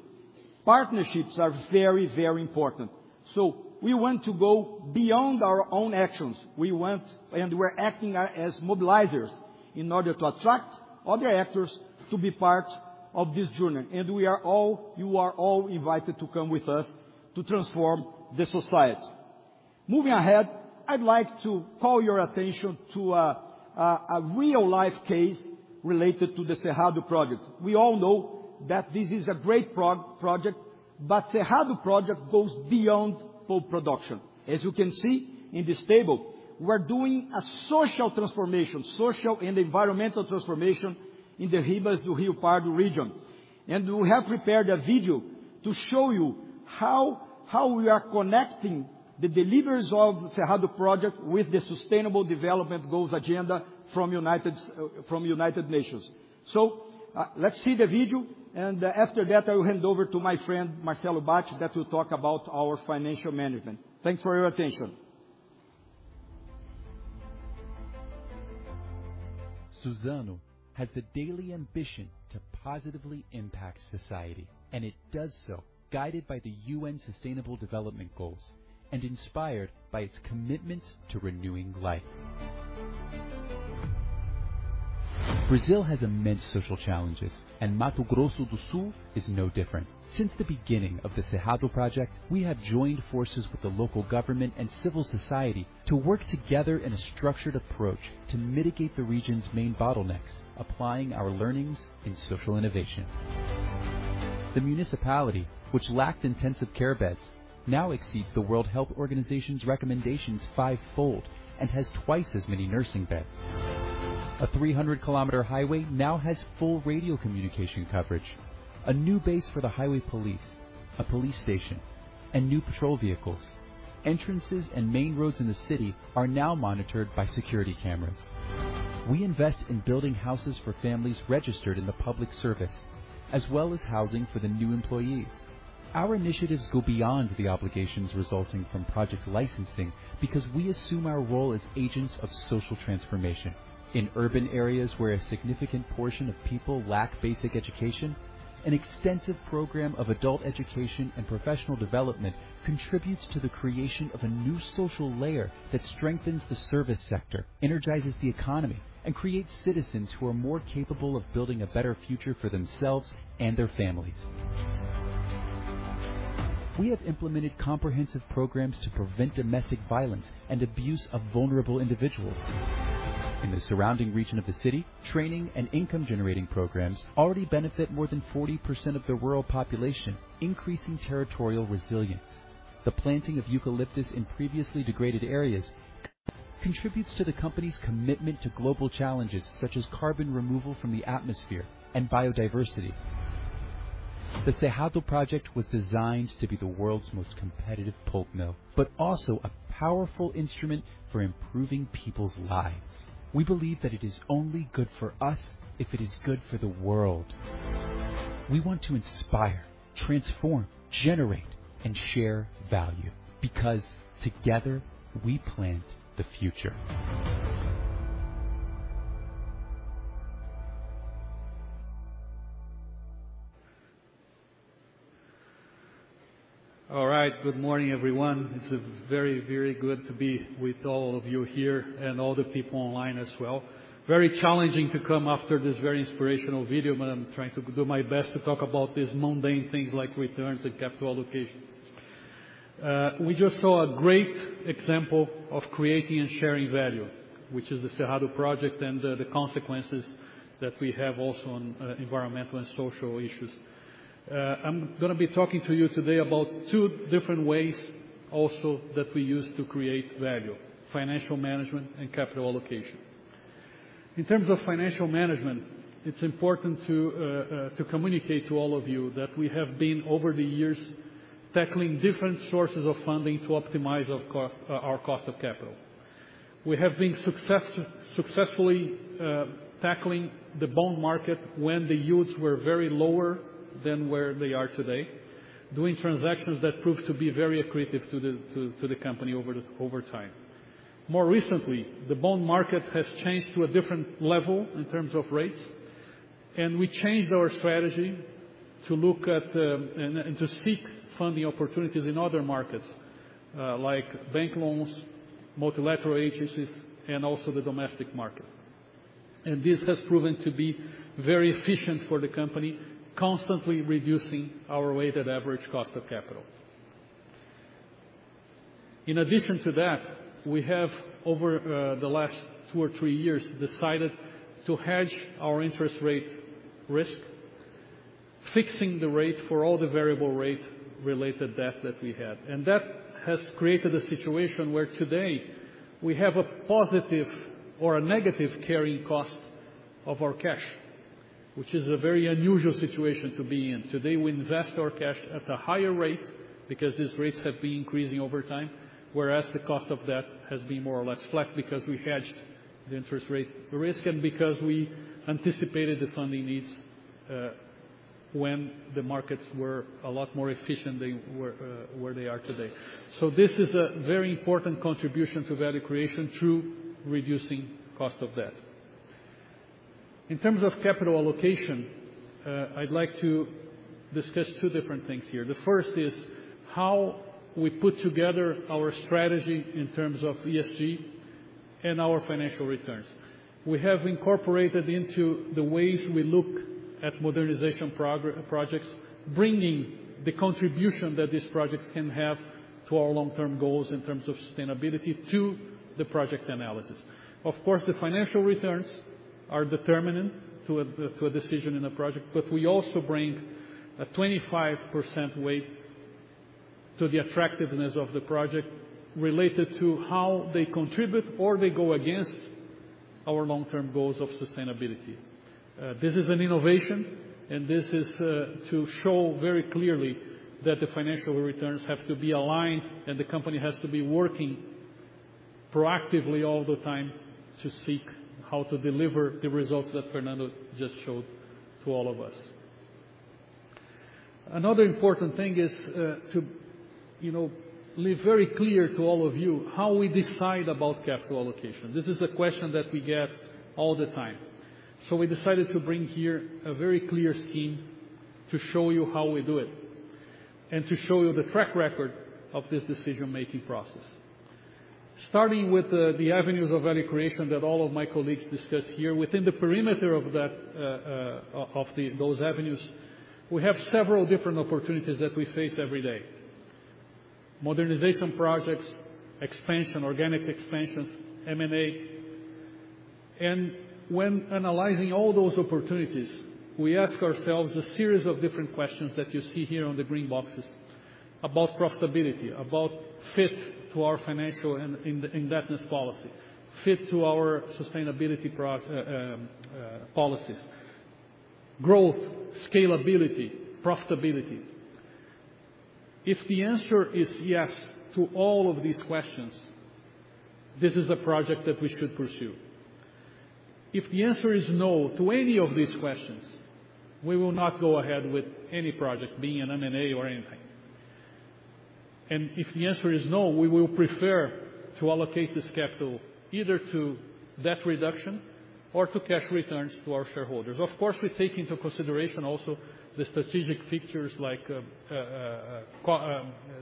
Partnerships are very, very important, so we want to go beyond our own actions. We want, and we're acting as mobilizers in order to attract other actors to be part of this journey, and we are all, you are all invited to come with us to transform the society. Moving ahead, I'd like to call your attention to a real-life case related to the Cerrado Project. We all know that this is a great project, but Cerrado Project goes beyond pulp production. As you can see in this table, we're doing a social transformation, social and environmental transformation in the Ribas do Rio Pardo region. We have prepared a video to show you how we are connecting the deliveries of the Cerrado Project with the Sustainable Development Goals agenda from United Nations. Let's see the video, and after that, I will hand over to my friend, Marcelo Bacci, that will talk about our financial management. Thanks for your attention. Suzano has the daily ambition to positively impact society, and it does so guided by the U.N. Sustainable Development Goals and inspired by its commitment to renewing life. Brazil has immense social challenges, and Mato Grosso do Sul is no different. Since the beginning of the Cerrado project, we have joined forces with the local government and civil society to work together in a structured approach to mitigate the region's main bottlenecks, applying our learnings in social innovation. The municipality, which lacked intensive care beds, now exceeds the World Health Organization's recommendations fivefold and has twice as many nursing beds. A 300 km highway now has full radio communication coverage, a new base for the highway police, a police station, and new patrol vehicles. Entrances and main roads in the city are now monitored by security cameras. We invest in building houses for families registered in the public service, as well as housing for the new employees. Our initiatives go beyond the obligations resulting from project licensing because we assume our role as agents of social transformation. In urban areas where a significant portion of people lack basic education, an extensive program of adult education and professional development contributes to the creation of a new social layer that strengthens the service sector, energizes the economy, and creates citizens who are more capable of building a better future for themselves and their families. We have implemented comprehensive programs to prevent domestic violence and abuse of vulnerable individuals. In the surrounding region of the city, training and income-generating programs already benefit more than 40% of the rural population, increasing territorial resilience. The planting of eucalyptus in previously degraded areas contributes to the company's commitment to global challenges, such as carbon removal from the atmosphere and biodiversity. The Cerrado Project was designed to be the world's most competitive pulp mill, but also a powerful instrument for improving people's lives. We believe that it is only good for us, if it is good for the world. We want to inspire, transform, generate, and share value, because together, we plant the future. All right. Good morning, everyone. It's very, very good to be with all of you here and all the people online as well. Very challenging to come after this very inspirational video, but I'm trying to do my best to talk about these mundane things like returns and capital allocation. We just saw a great example of creating and sharing value, which is the Cerrado project and the consequences that we have also on environmental and social issues. I'm gonna be talking to you today about two different ways also that we use to create value: financial management and capital allocation. In terms of financial management, it's important to communicate to all of you that we have been, over the years, tackling different sources of funding to optimize our cost of capital. We have been successfully tackling the bond market when the yields were very lower than where they are today, doing transactions that proved to be very accretive to the company over time. More recently, the bond market has changed to a different level in terms of rates, and we changed our strategy to look at and to seek funding opportunities in other markets, like bank loans, multilateral agencies, and also the domestic market. And this has proven to be very efficient for the company, constantly reducing our weighted average cost of capital. In addition to that, we have, over the last two or three years, decided to hedge our interest rate risk, fixing the rate for all the variable rate related debt that we had. That has created a situation where today, we have a positive or a negative carrying cost of our cash, which is a very unusual situation to be in. Today, we invest our cash at a higher rate because these rates have been increasing over time, whereas the cost of debt has been more or less flat because we hedged the interest rate, the risk, and because we anticipated the funding needs, when the markets were a lot more efficient than where they are today. This is a very important contribution to value creation through reducing cost of debt. In terms of capital allocation, I'd like to discuss two different things here. The first is how we put together our strategy in terms of ESG and our financial returns. We have incorporated into the ways we look at modernization projects, bringing the contribution that these projects can have to our long-term goals in terms of sustainability to the project analysis. Of course, the financial returns are determinant to a decision in a project, but we also bring a 25% weight to the attractiveness of the project, related to how they contribute or they go against our long-term goals of sustainability. This is an innovation, and this is to show very clearly that the financial returns have to be aligned, and the company has to be working proactively all the time to seek how to deliver the results that Fernando just showed to all of us. Another important thing is to you know, leave very clear to all of you how we decide about capital allocation. This is a question that we get all the time. So we decided to bring here a very clear scheme to show you how we do it, and to show you the track record of this decision-making process. Starting with the avenues of value creation that all of my colleagues discussed here, within the parameters of that, of those avenues, we have several different opportunities that we face every day: modernization projects, expansion, organic expansions, M&A. When analyzing all those opportunities, we ask ourselves a series of different questions that you see here on the green boxes about profitability, about fit to our financial and indebtedness policy, fit to our sustainability policies, growth, scalability, profitability. If the answer is yes to all of these questions, this is a project that we should pursue. If the answer is no to any of these questions, we will not go ahead with any project, be an M&A or anything. If the answer is no, we will prefer to allocate this capital either to debt reduction or to cash returns to our shareholders. Of course, we take into consideration also the strategic features like,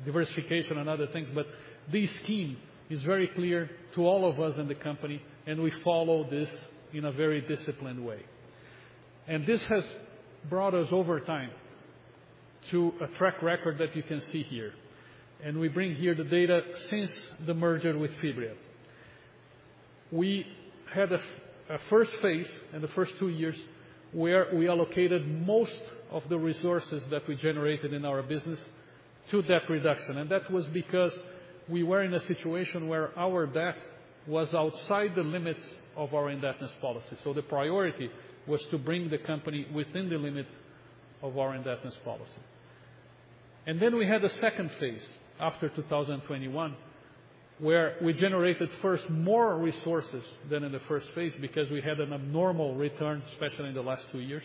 diversification and other things, but this scheme is very clear to all of us in the company, and we follow this in a very disciplined way. This has brought us over time to a track record that you can see here, and we bring here the data since the merger with Fibria. We had a first phase in the first two years, where we allocated most of the resources that we generated in our business-... to debt reduction, and that was because we were in a situation where our debt was outside the limits of our indebtedness policy. So the priority was to bring the company within the limits of our indebtedness policy. And then we had a second phase after 2021, where we generated first more resources than in the first phase, because we had an abnormal return, especially in the last two years.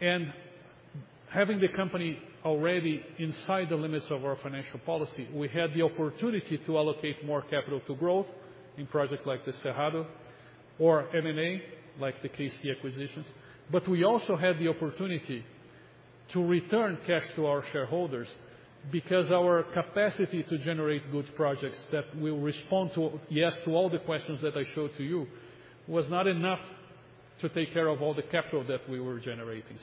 And having the company already inside the limits of our financial policy, we had the opportunity to allocate more capital to growth in projects like the Cerrado or M&A, like the KC acquisitions. But we also had the opportunity to return cash to our shareholders, because our capacity to generate good projects that will respond to, yes, to all the questions that I showed to you, was not enough to take care of all the capital that we were generating.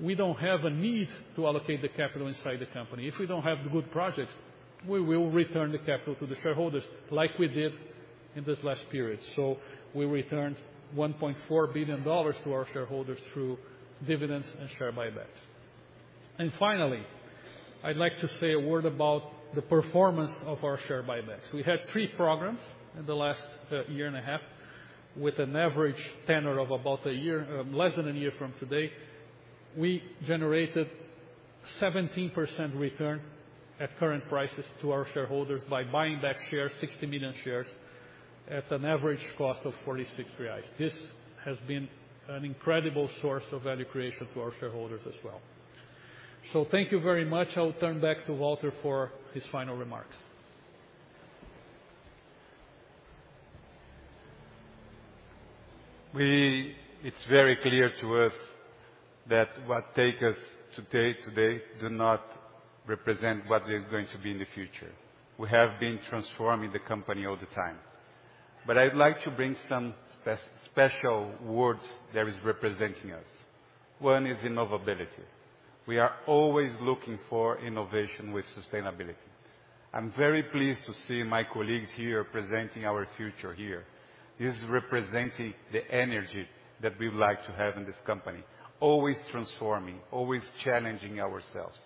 We don't have a need to allocate the capital inside the company. If we don't have the good projects, we will return the capital to the shareholders, like we did in this last period. We returned $1.4 billion to our shareholders through dividends and share buybacks. Finally, I'd like to say a word about the performance of our share buybacks. We had three programs in the last year and a half, with an average tenure of about a year, less than a year from today. We generated 17% return at current prices to our shareholders by buying back shares, 60 million shares, at an average cost of 46 reais. This has been an incredible source of value creation to our shareholders as well. So thank you very much. I'll turn back to Walter for his final remarks. It's very clear to us that what takes us today do not represent what is going to be in the future. We have been transforming the company all the time. But I'd like to bring some special words that is representing us. One is Innovability. We are always looking for innovation with sustainability. I'm very pleased to see my colleagues here presenting our future here. This is representing the energy that we like to have in this company, always transforming, always challenging ourselves.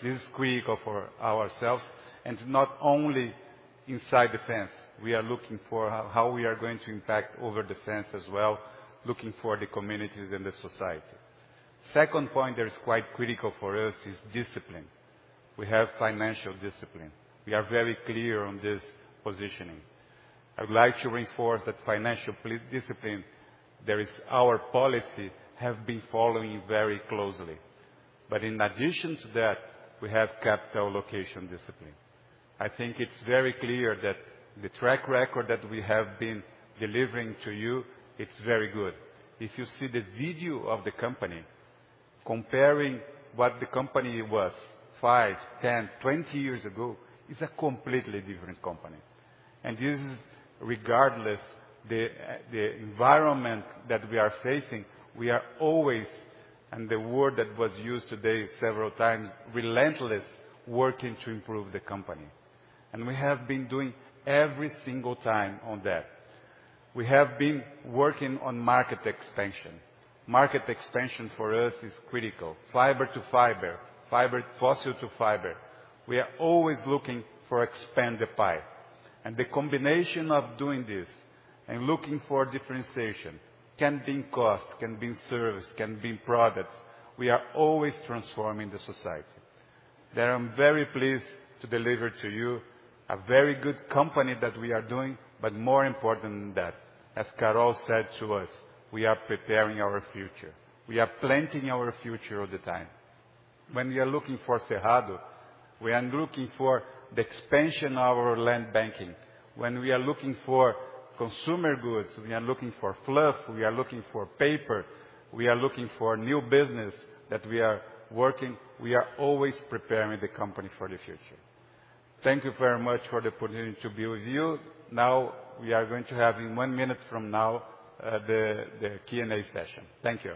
This is critical for ourselves, and not only inside the fence, we are looking for how we are going to impact over the fence as well, looking for the communities and the society. Second point that is quite critical for us is discipline. We have financial discipline. We are very clear on this positioning. I would like to reinforce that financial discipline, that is our policy, have been following very closely. But in addition to that, we have capital allocation discipline. I think it's very clear that the track record that we have been delivering to you, it's very good. If you see the video of the company, comparing what the company was 5, 10, 20 years ago, it's a completely different company. This is regardless the environment that we are facing, we are always, and the word that was used today several times, relentless, working to improve the company. We have been doing every single time on that. We have been working on market expansion. Market expansion, for us, is critical. Fiber to fiber, fossil to fiber. We are always looking to expand the pie, and the combination of doing this and looking for differentiation, can be in cost, can be in service, can be in products. We are always transforming the society. That, I'm very pleased to deliver to you a very good company that we are doing, but more important than that, as Carol said to us, we are preparing our future. We are planting our future all the time. When we are looking for Cerrado, we are looking for the expansion of our land banking. When we are looking for consumer goods, we are looking for fluff, we are looking for paper, we are looking for new business that we are working, we are always preparing the company for the future. Thank you very much for the opportunity to be with you. Now, we are going to have, in 1 minute from now, the Q&A session. Thank you.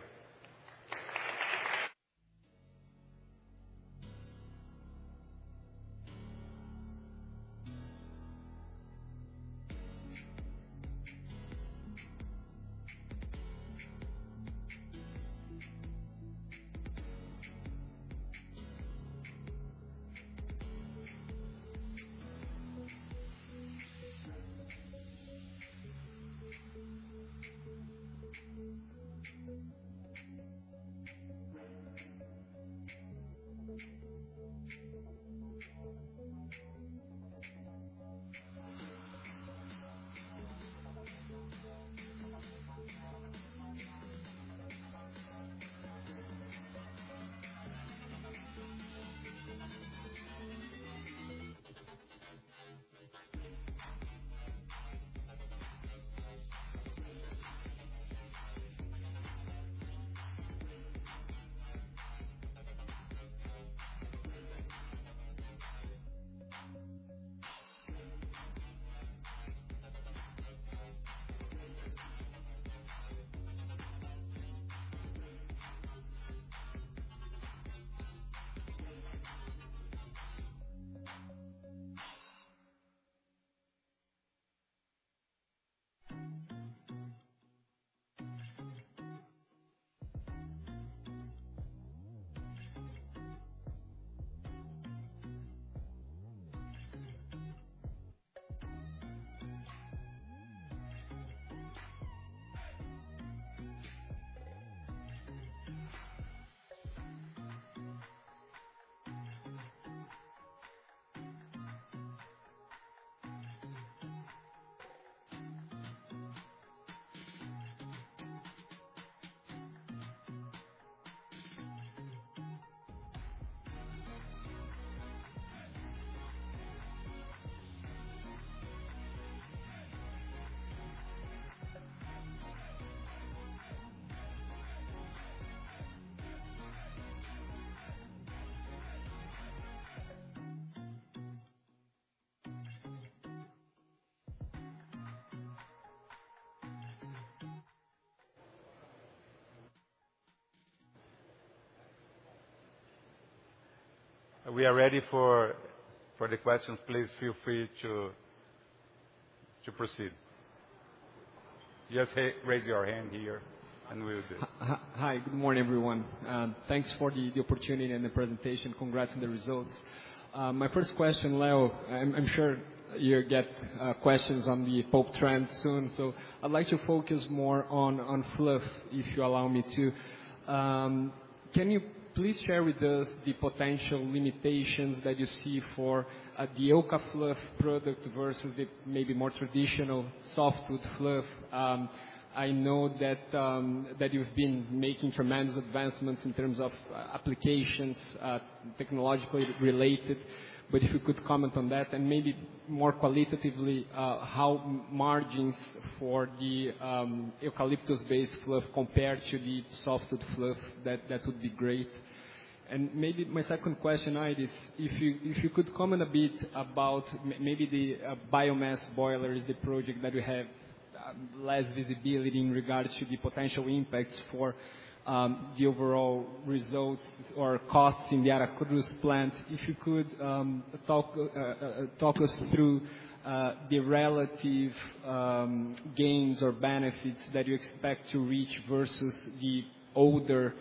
We are ready for the questions. Please feel free to proceed. Just raise your hand here, and we'll do. Hi. Good morning, everyone. Thanks for the opportunity and the presentation. Congrats on the results. My first question, Leo, I'm sure you'll get questions on the pulp trend soon, so I'd like to focus more on fluff, if you allow me to. Can you please share with us the potential limitations that you see for the Eucafluff product versus the maybe more traditional softwood fluff? I know that you've been making tremendous advancements in terms of applications, technologically related, but if you could comment on that, and maybe more qualitatively, how margins for the eucalyptus-based fluff compare to the softwood fluff, that would be great. And maybe my second question, Aires, if you, if you could comment a bit about maybe the biomass boilers, the project that you have less visibility in regards to the potential impacts for the overall results or costs in the Aracruz plant. If you could talk us through the relative gains or benefits that you expect to reach versus the older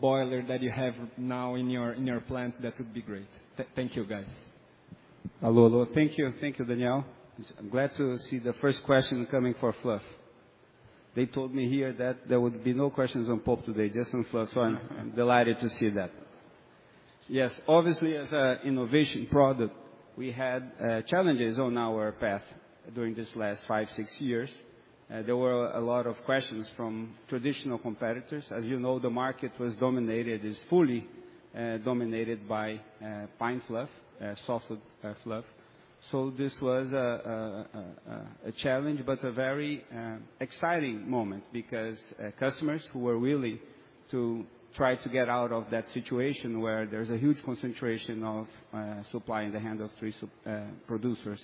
boiler that you have now in your plant, that would be great. Thank you, guys. Hello, hello. Thank you. Thank you, Daniel. I'm glad to see the first question coming for Fluff. They told me here that there would be no questions on pulp today, just on fluff, so I'm delighted to see that. Yes, obviously, as an innovation product, we had challenges on our path during this last five, six years. There were a lot of questions from traditional competitors. As you know, the market was dominated, is fully dominated by pine fluff, softwood fluff. So this was a challenge, but a very exciting moment because customers who were willing to try to get out of that situation where there's a huge concentration of supply in the hand of three suppliers.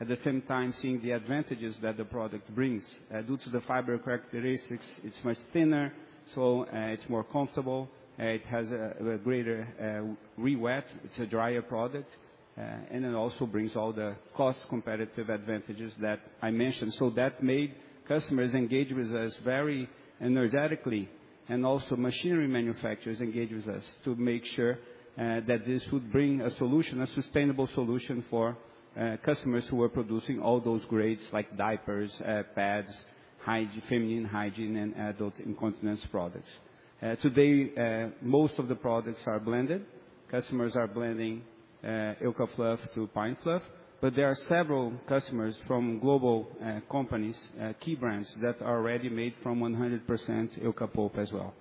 At the same time, seeing the advantages that the product brings. Due to the fiber characteristics, it's much thinner, so it's more comfortable. It has a greater re-wet; it's a drier product, and it also brings all the cost competitive advantages that I mentioned. So that made customers engage with us very energetically, and also machinery manufacturers engage with us to make sure that this would bring a solution, a sustainable solution for customers who are producing all those grades, like diapers, pads, feminine hygiene and adult incontinence products. Today, most of the products are blended. Customers are blending Eucafluff to pine fluff, but there are several customers from global companies, key brands that are already made from 100% Eucafluff as well.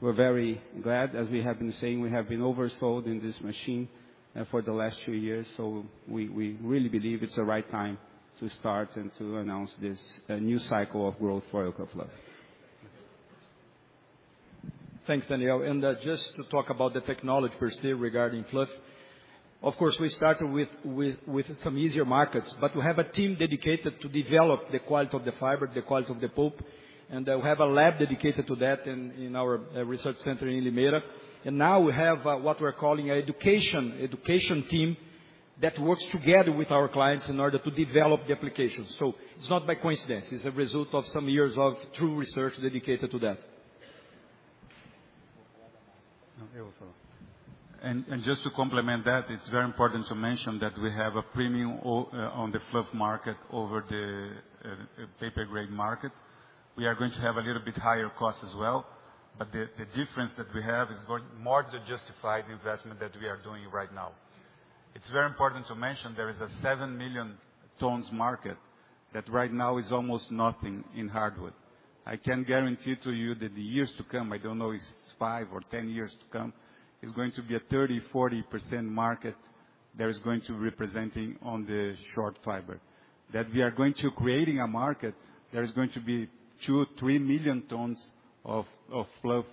We're very glad, as we have been saying, we have been oversold in this machine for the last two years, so we, we really believe it's the right time to start and to announce this new cycle of growth for Eucafluff. Thanks, Daniel. Just to talk about the technology per se, regarding fluff, of course, we started with some easier markets, but we have a team dedicated to develop the quality of the fiber, the quality of the pulp, and we have a lab dedicated to that in our research center in Limeira. And now we have what we're calling education team that works together with our clients in order to develop the application. So it's not by coincidence. It's a result of some years of true research dedicated to that. And just to complement that, it's very important to mention that we have a premium on the fluff market over the paper grade market. We are going to have a little bit higher cost as well, but the difference that we have is going more than justified the investment that we are doing right now. It's very important to mention there is a 7 million tons market, that right now is almost nothing in hardwood. I can guarantee to you that the years to come, I don't know if it's 5 or 10 years to come, is going to be a 30%-40% market that is going to representing on the short fiber. That we are going to creating a market that is going to be 2-3 million tons of fluff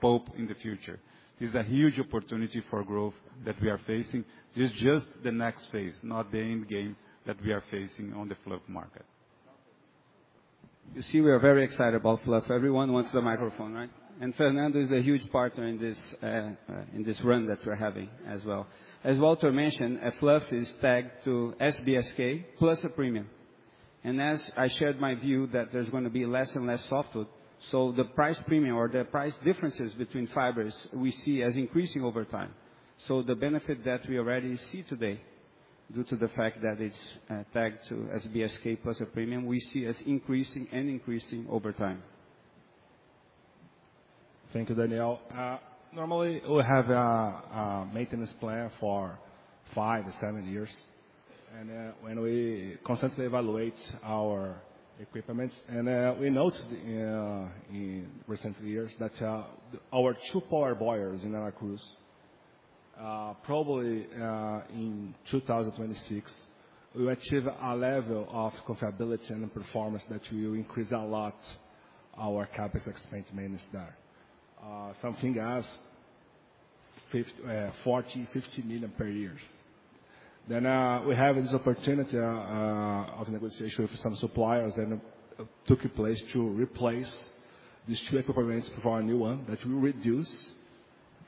pulp in the future. This is a huge opportunity for growth that we are facing. This is just the next phase, not the end game that we are facing on the fluff market. You see, we are very excited about fluff. Everyone wants the microphone, right? And Fernando is a huge partner in this run that we're having as well. As Walter mentioned, a fluff is tagged to SBSK plus a premium. And as I shared my view that there's gonna be less and less softwood, so the price premium or the price differences between fibers we see as increasing over time. ...So the benefit that we already see today, due to the fact that it's tagged to SBSK plus a premium, we see as increasing and increasing over time. Thank you, Daniel. Normally, we have a maintenance plan for 5-7 years, and when we constantly evaluate our equipments, and we noticed in recent years that our 2 power boilers in Aracruz probably in 2026 we achieve a level of comparability and performance that will increase a lot our CapEx expense maintenance there. Something as $40-$50 million per year. Then, we have this opportunity of negotiation with some suppliers and took place to replace these 2 equipments for a new one, that will reduce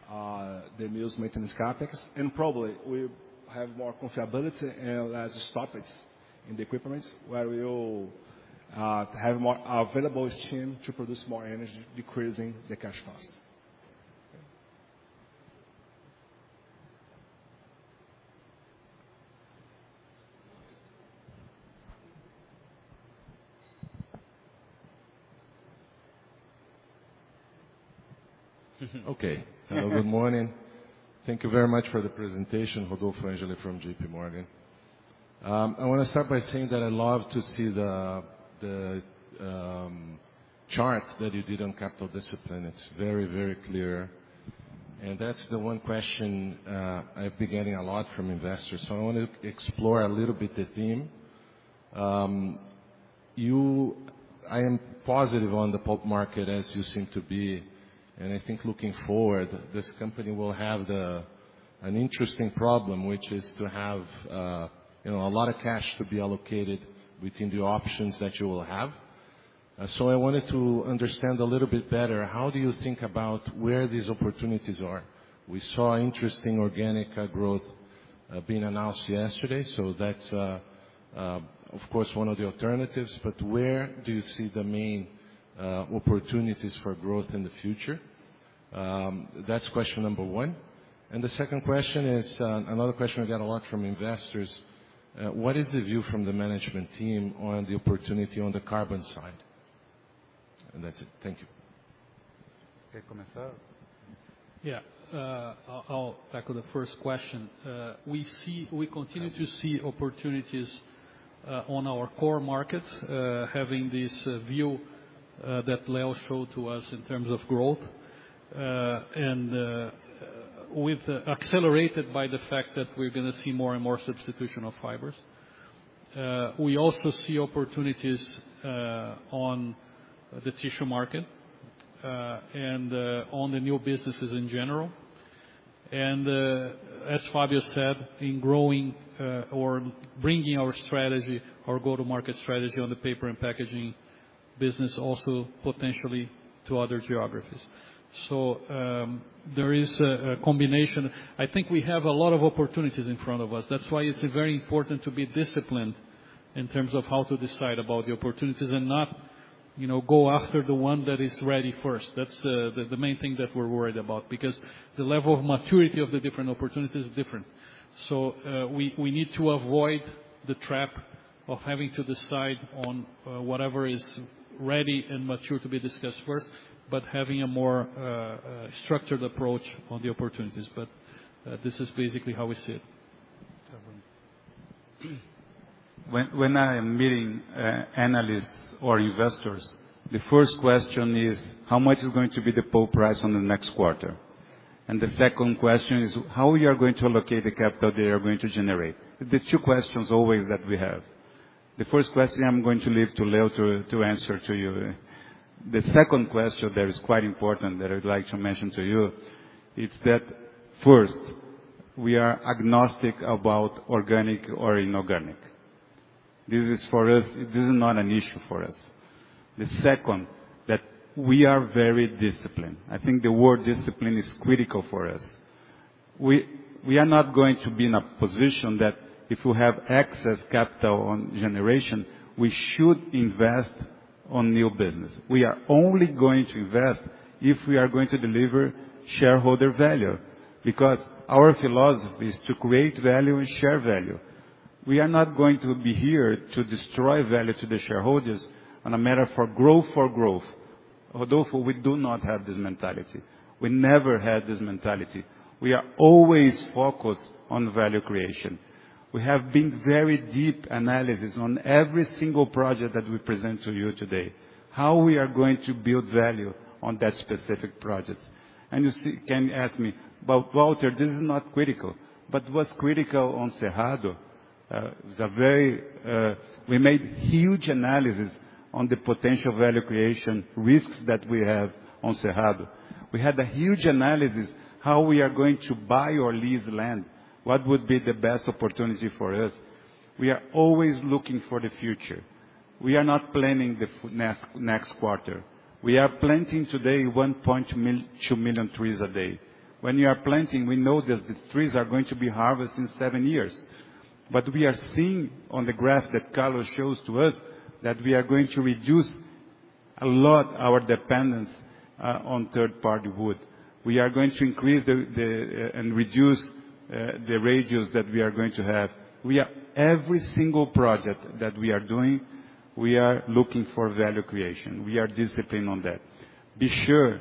the annual maintenance CapEx, and probably we have more comparability and less topics in the equipments, where we will have more available steam to produce more energy, decreasing the cash costs. Okay. Good morning. Thank you very much for the presentation, Rodolfo Angele from JPMorgan. I wanna start by saying that I love to see the chart that you did on capital discipline. It's very, very clear. And that's the one question I've been getting a lot from investors, so I want to explore a little bit the theme. I am positive on the pulp market, as you seem to be, and I think looking forward, this company will have an interesting problem, which is to have you know, a lot of cash to be allocated within the options that you will have. So I wanted to understand a little bit better, how do you think about where these opportunities are? We saw interesting organic growth being announced yesterday, so that's of course one of the alternatives, but where do you see the main opportunities for growth in the future? That's question number one. And the second question is another question I get a lot from investors: What is the view from the management team on the opportunity on the carbon side? And that's it. Thank you. Okay, começar? Yeah, I'll tackle the first question. We continue to see opportunities on our core markets, having this view that Leo showed to us in terms of growth, and accelerated by the fact that we're gonna see more and more substitution of fibers. We also see opportunities on the tissue market, and on the new businesses in general. And, as Fabio said, in growing or bringing our strategy, our go-to-market strategy on the paper and packaging business also potentially to other geographies. So, there is a combination. I think we have a lot of opportunities in front of us. That's why it's very important to be disciplined in terms of how to decide about the opportunities and not, you know, go after the one that is ready first. That's the main thing that we're worried about, because the level of maturity of the different opportunities is different. So, we need to avoid the trap of having to decide on whatever is ready and mature to be discussed first, but having a more structured approach on the opportunities. But this is basically how we see it. When I am meeting analysts or investors, the first question is: How much is going to be the pulp price on the next quarter? And the second question is: How you are going to allocate the capital they are going to generate? The two questions always that we have. The first question, I'm going to leave to Leo to answer to you. The second question that is quite important, that I'd like to mention to you, it's that, first, we are agnostic about organic or inorganic. This is, for us, this is not an issue for us. The second, that we are very disciplined. I think the word discipline is critical for us. We are not going to be in a position that if we have excess capital on generation, we should invest on new business. We are only going to invest if we are going to deliver shareholder value, because our philosophy is to create value and share value. We are not going to be here to destroy value to the shareholders on a matter for growth for growth. Rodolfo, we do not have this mentality. We never had this mentality. We are always focused on value creation. We have been very deep analysis on every single project that we present to you today, how we are going to build value on that specific project. And you see—can ask me, "But Walter, this is not critical." But what's critical on Cerrado is a very... We made huge analysis on the potential value creation risks that we have on Cerrado. We had a huge analysis, how we are going to buy or lease land, what would be the best opportunity for us? We are always looking for the future. We are not planning the next, next quarter. We are planting today 2 million trees a day. When we are planting, we know that the trees are going to be harvested in 7 years, but we are seeing on the graph that Carlos shows to us, that we are going to reduce a lot our dependence on third-party wood. We are going to increase the and reduce the ratios that we are going to have. Every single project that we are doing, we are looking for value creation. We are disciplined on that. Be sure,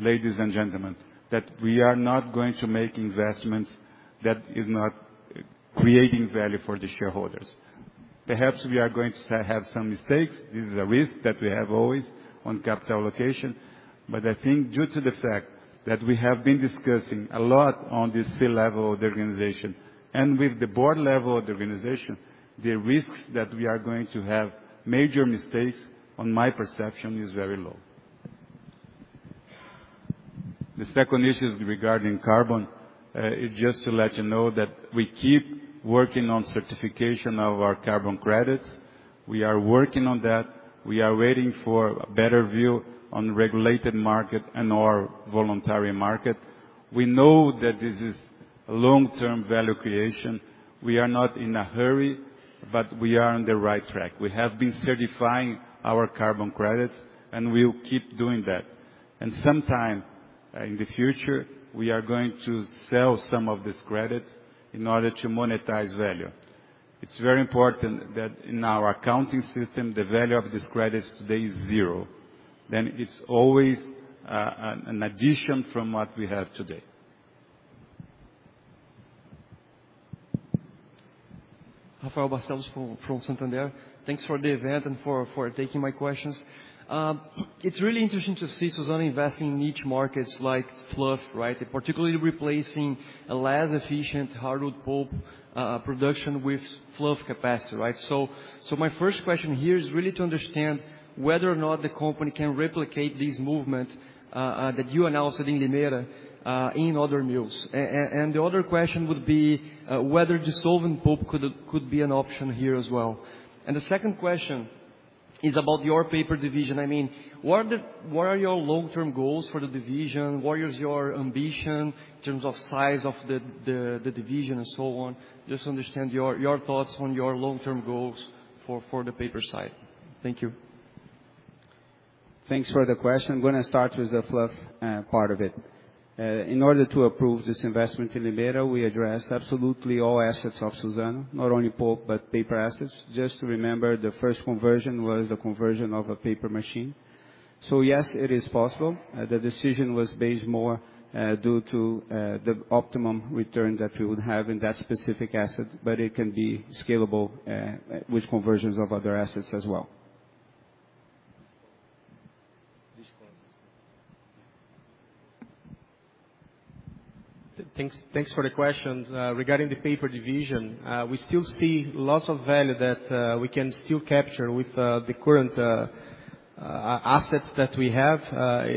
ladies and gentlemen, that we are not going to make investments that is not creating value for the shareholders. Perhaps we are going to have some mistakes. This is a risk that we have always on capital allocation, but I think due to the fact that we have been discussing a lot on this C-level of the organization and with the board level of the organization, the risks that we are going to have major mistakes, on my perception, is very low. The second issue is regarding carbon. Just to let you know that we keep working on certification of our carbon credits. We are working on that. We are waiting for a better view on regulated market and/or voluntary market. We know that this is long-term value creation. We are not in a hurry, but we are on the right track. We have been certifying our carbon credits, and we'll keep doing that. And sometime in the future, we are going to sell some of this credit in order to monetize value. It's very important that in our accounting system, the value of these credits today is zero. Then it's always an addition from what we have today. Rafael Barcellos from Santander. Thanks for the event and for taking my questions. It's really interesting to see Suzano investing in each markets like fluff, right? Particularly replacing a less efficient hardwood pulp production with fluff capacity, right? So my first question here is really to understand whether or not the company can replicate this movement that you announced in Limeira in other mills. And the other question would be whether dissolving pulp could be an option here as well. And the second question is about your paper division. I mean, what are the—what are your long-term goals for the division? What is your ambition in terms of size of the division and so on? Just to understand your thoughts on your long-term goals for the paper side. Thank you. Thanks for the question. I'm gonna start with the fluff, part of it. In order to approve this investment in Limeira, we addressed absolutely all assets of Suzano, not only pulp, but paper assets. Just to remember, the first conversion was the conversion of a paper machine. So yes, it is possible. The decision was based more, due to, the optimum return that we would have in that specific asset, but it can be scalable, with conversions of other assets as well. Thanks, thanks for the questions. Regarding the paper division, we still see lots of value that we can still capture with the current assets that we have,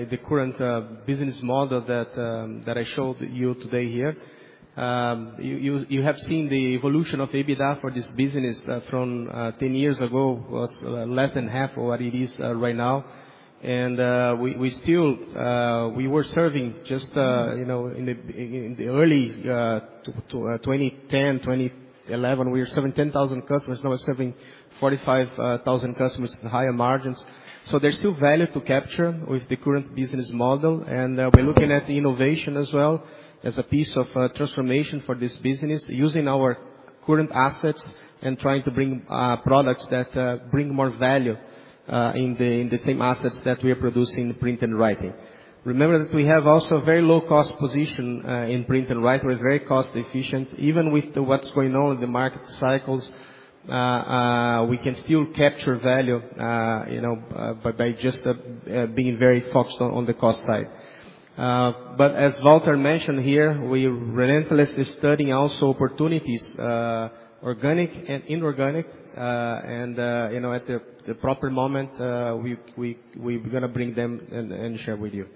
the current business model that I showed you today here. You have seen the evolution of EBITDA for this business, from ten years ago, was less than half of what it is right now. And we still... we were serving just, you know, in the early 2010, 2011, we were serving 10,000 customers, now we're serving 45,000 customers at higher margins. So there's still value to capture with the current business model, and we're looking at the innovation as well, as a piece of transformation for this business, using our current assets and trying to bring products that bring more value in the same assets that we are producing in print and writing. Remember that we have also a very low cost position in print and write. We're very cost efficient. Even with what's going on in the market cycles, we can still capture value, you know, by just being very focused on the cost side. But as Walter mentioned here, we're relentlessly studying also opportunities, organic and inorganic, and you know, at the proper moment, we're gonna bring them and share with you.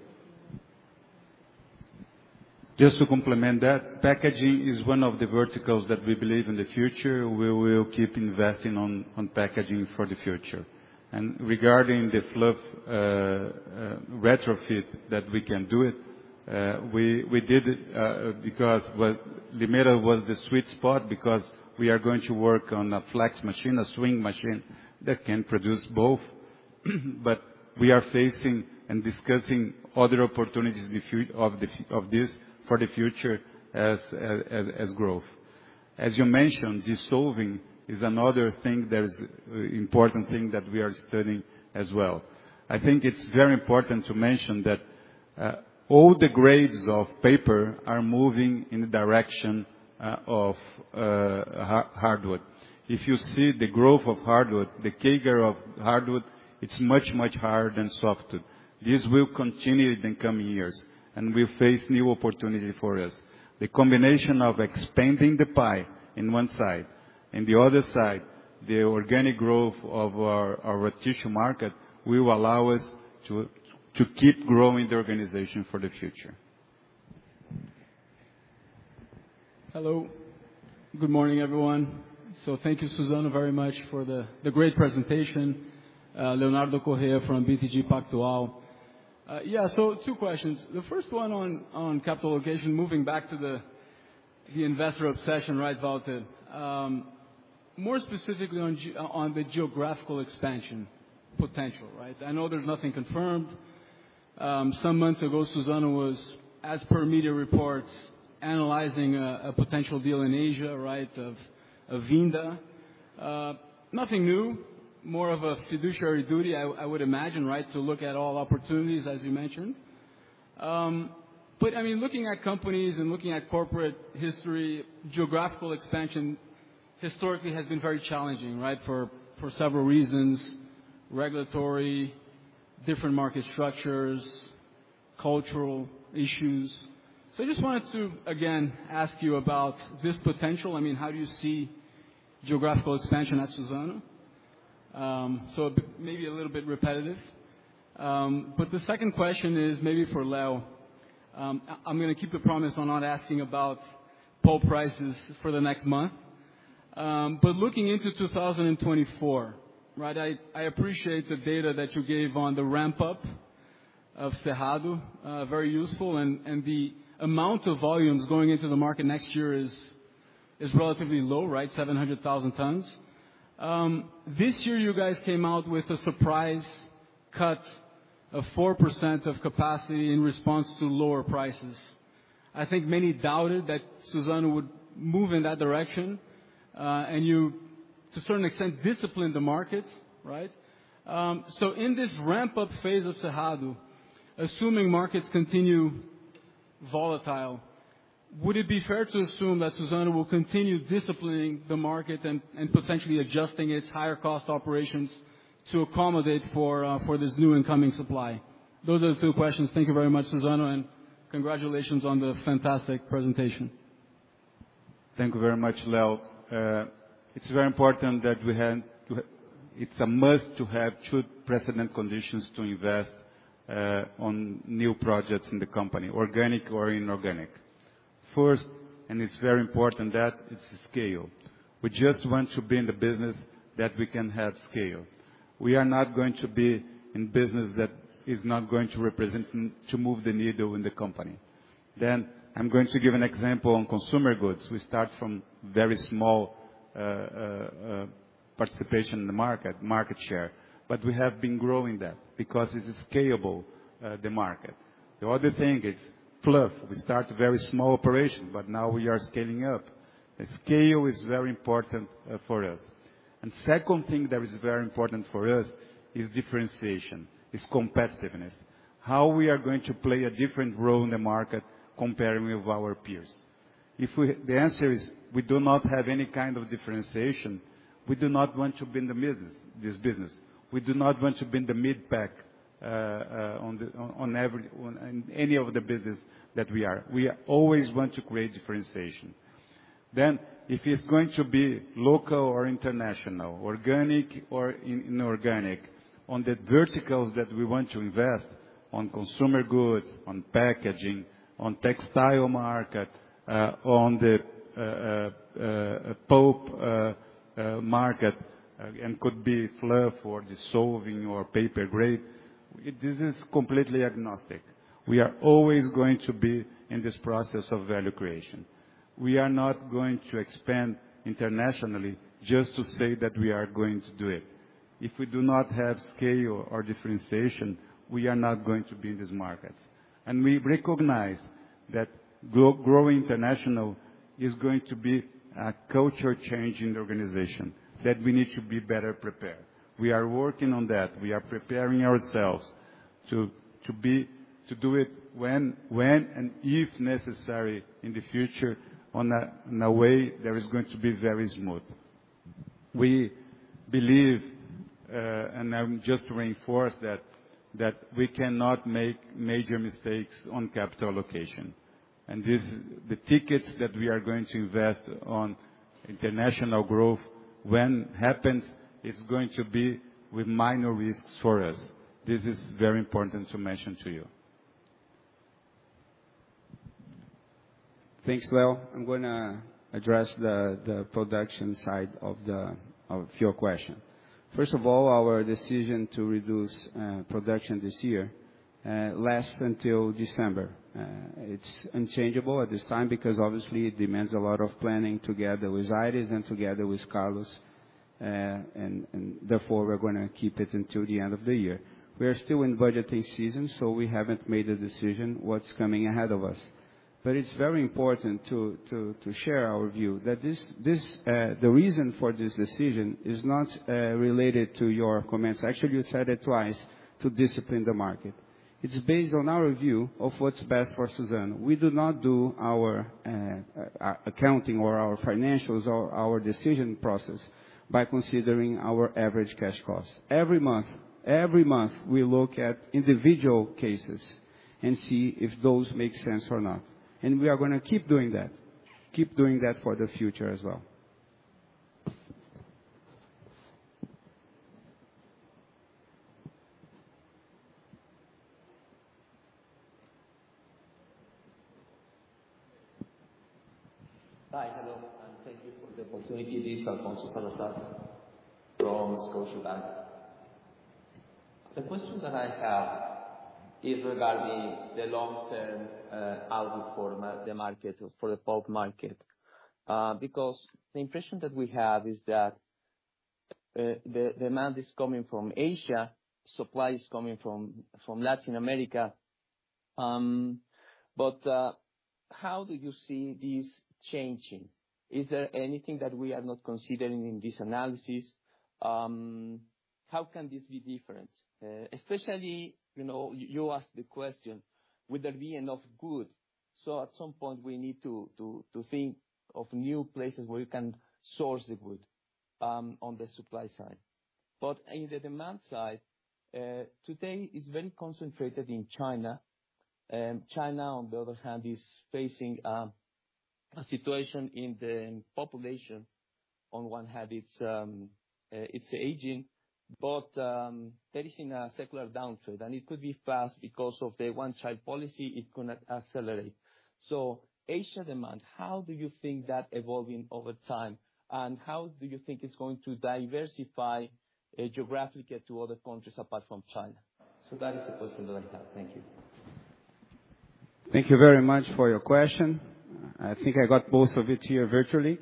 Just to complement that, packaging is one of the verticals that we believe in the future. We will keep investing on packaging for the future. And regarding the fluff retrofit that we can do it, we did it because Limeira was the sweet spot because we are going to work on a flex machine, a swing machine that can produce both. But we are facing and discussing other opportunities in the future of this for the future as growth. As you mentioned, dissolving is another thing that is important thing that we are studying as well. I think it's very important to mention that all the grades of paper are moving in the direction of hardwood. If you see the growth of hardwood, the CAGR of hardwood, it's much, much higher than softwood. This will continue in the coming years, and will face new opportunity for us. The combination of expanding the pie in one side, in the other side, the organic growth of our tissue market, will allow us to keep growing the organization for the future. Hello. Good morning, everyone. So thank you, Suzano, very much for the great presentation. Leonardo Correa from BTG Pactual. Yeah, so two questions. The first one on capital allocation, moving back to the- ...The investor obsession, right, Walter? More specifically on the geographical expansion potential, right? I know there's nothing confirmed. Some months ago, Suzano was, as per media reports, analyzing a potential deal in Asia, right, of Vinda. Nothing new, more of a fiduciary duty, I would imagine, right? So look at all opportunities as you mentioned. But I mean, looking at companies and looking at corporate history, geographical expansion historically has been very challenging, right? For several reasons, regulatory, different market structures, cultural issues. So I just wanted to again ask you about this potential. I mean, how do you see geographical expansion at Suzano? So a bit maybe a little bit repetitive. But the second question is maybe for Leo. I'm gonna keep the promise on not asking about pulp prices for the next month. But looking into 2024, right, I appreciate the data that you gave on the ramp-up of Cerrado, very useful, and the amount of volumes going into the market next year is relatively low, right? 700,000 tons. This year, you guys came out with a surprise cut of 4% of capacity in response to lower prices. I think many doubted that Suzano would move in that direction, and you, to a certain extent, disciplined the market, right? So in this ramp-up phase of Cerrado, assuming markets continue volatile, would it be fair to assume that Suzano will continue disciplining the market and potentially adjusting its higher cost operations to accommodate for this new incoming supply? Those are the two questions. Thank you very much, Suzano, and congratulations on the fantastic presentation. Thank you very much, Leo. It's very important that we have to—it's a must to have two precedent conditions to invest on new projects in the company, organic or inorganic. First, and it's very important that, it's the scale. We just want to be in the business that we can have scale. We are not going to be in business that is not going to represent, to move the needle in the company. Then I'm going to give an example on consumer goods. We start from very small participation in the market, market share, but we have been growing that because it's scalable, the market. The other thing is fluff. We start very small operation, but now we are scaling up. The scale is very important for us. And second thing that is very important for us is differentiation, is competitiveness. How we are going to play a different role in the market comparing with our peers? If we, the answer is we do not have any kind of differentiation. We do not want to be in the business, this business. We do not want to be in the mid pack on any of the business that we are. We always want to create differentiation. Then, if it's going to be local or international, organic or inorganic, on the verticals that we want to invest, on consumer goods, on packaging, on textile market, on the pulp market, and could be fluff or dissolving or paper grade, this is completely agnostic. We are always going to be in this process of value creation. We are not going to expand internationally just to say that we are going to do it. If we do not have scale or differentiation, we are not going to be in this market. And we recognize that growing international is going to be a culture change in the organization, that we need to be better prepared. We are working on that. We are preparing ourselves to be to do it when and if necessary in the future, in a way that is going to be very smooth. We believe, and I would just reinforce that, that we cannot make major mistakes on capital allocation. And this, the tickets that we are going to invest on international growth, when happens, it's going to be with minor risks for us. This is very important to mention to you. Thanks, Leo. I'm gonna address the production side of your question. First of all, our decision to reduce production this year lasts until December. It's unchangeable at this time because obviously it demands a lot of planning together with Aires and together with Carlos, and therefore, we're gonna keep it until the end of the year. We are still in budgeting season, so we haven't made a decision what's coming ahead of us. But it's very important to share our view that this, the reason for this decision is not related to your comments. Actually, you said it twice, to discipline the market. It's based on our view of what's best for Suzano. We do not do our accounting or our financials or our decision process by considering our average cash costs. Every month, every month, we look at individual cases and see if those make sense or not. We are gonna keep doing that, keep doing that for the future as well. Hi, hello, and thank you for the opportunity. This is Alfonso Salazar from Scotiabank. The question that I have is regarding the long-term outlook for the market, for the pulp market. Because the impression that we have is that the demand is coming from Asia, supply is coming from Latin America. But how do you see this changing? Is there anything that we are not considering in this analysis? How can this be different? Especially, you know, you asked the question, will there be enough wood? So at some point, we need to think of new places where we can source the wood on the supply side. But in the demand side, today is very concentrated in China. And China, on the other hand, is facing a situation in the population. On one hand, it's aging, but there is in a secular downtrend, and it could be fast because of the one-child policy, it could not accelerate. So Asia demand, how do you think that evolving over time? And how do you think it's going to diversify geographically to other countries apart from China? So that is the question that I have. Thank you. Thank you very much for your question. I think I got most of it here virtually.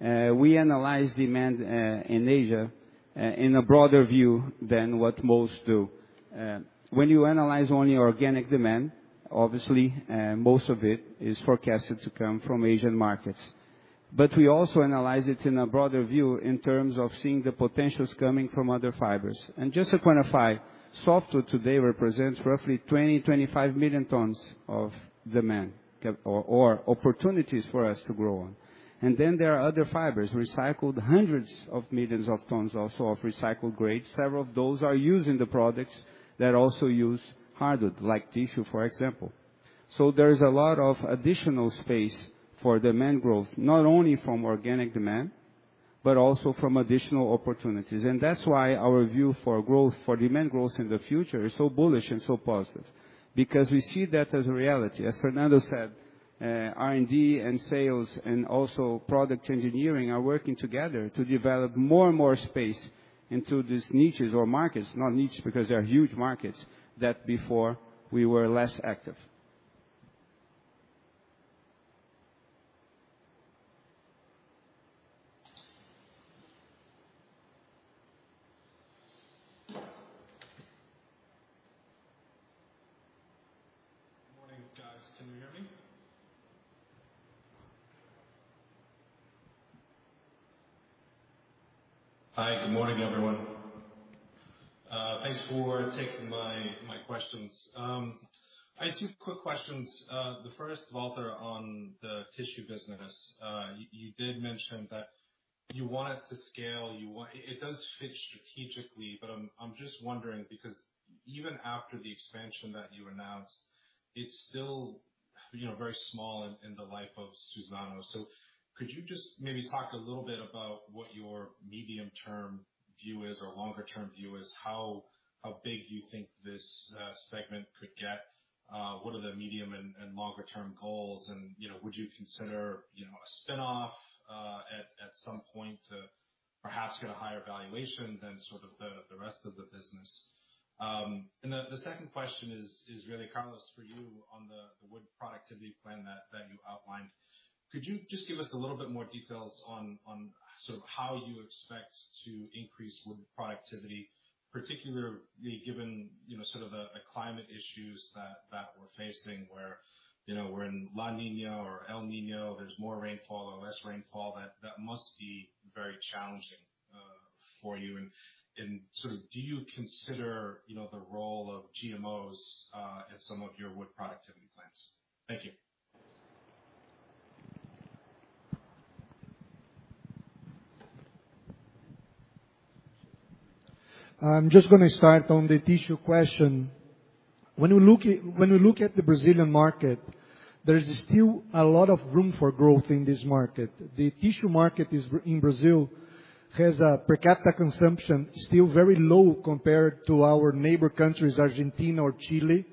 We analyze demand in Asia in a broader view than what most do. When you analyze only organic demand, obviously, most of it is forecasted to come from Asian markets. But we also analyze it in a broader view in terms of seeing the potentials coming from other fibers. And just to quantify, softwood today represents roughly 20-25 million tons of demand capacity or opportunities for us to grow on. And then there are other fibers, recycled hundreds of millions of tons, also of recycled grades. Several of those are used in the products that also use hardwood, like tissue, for example. So there is a lot of additional space for demand growth, not only from organic demand, but also from additional opportunities. That's why our view for growth, for demand growth in the future is so bullish and so positive, because we see that as a reality. As Fernando said, R&D and sales and also product engineering are working together to develop more and more space into these niches or markets. Not niches, because they're huge markets, that before we were less active. Good morning, guys. Can you hear me? Hi, good morning, everyone. Thanks for taking my, my questions. I have two quick questions. The first, Walter, on the tissue business. You did mention that you want it to scale, you want... It does fit strategically, but I'm just wondering, because even after the expansion that you announced, it's still, you know, very small in the life of Suzano. So could you just maybe talk a little bit about what your medium-term view is or longer term view is? How big do you think this segment could get? What are the medium and longer term goals? And, you know, would you consider, you know, a spinoff at some point to perhaps get a higher valuation than sort of the rest of the business? And the second question is really, Carlos, for you on the wood productivity plan that you outlined. Could you just give us a little bit more details on sort of how you expect to increase wood productivity, particularly given, you know, sort of the climate issues that we're facing, where, you know, we're in La Niña or El Niño, there's more rainfall or less rainfall, that must be very challenging for you. And so do you consider, you know, the role of GMOs at some of your wood productivity plans? Thank you. I'm just gonna start on the tissue question. When you look at the Brazilian market, there is still a lot of room for growth in this market. The tissue market is, in Brazil, has a per capita consumption, still very low compared to our neighbor countries, Argentina or Chile,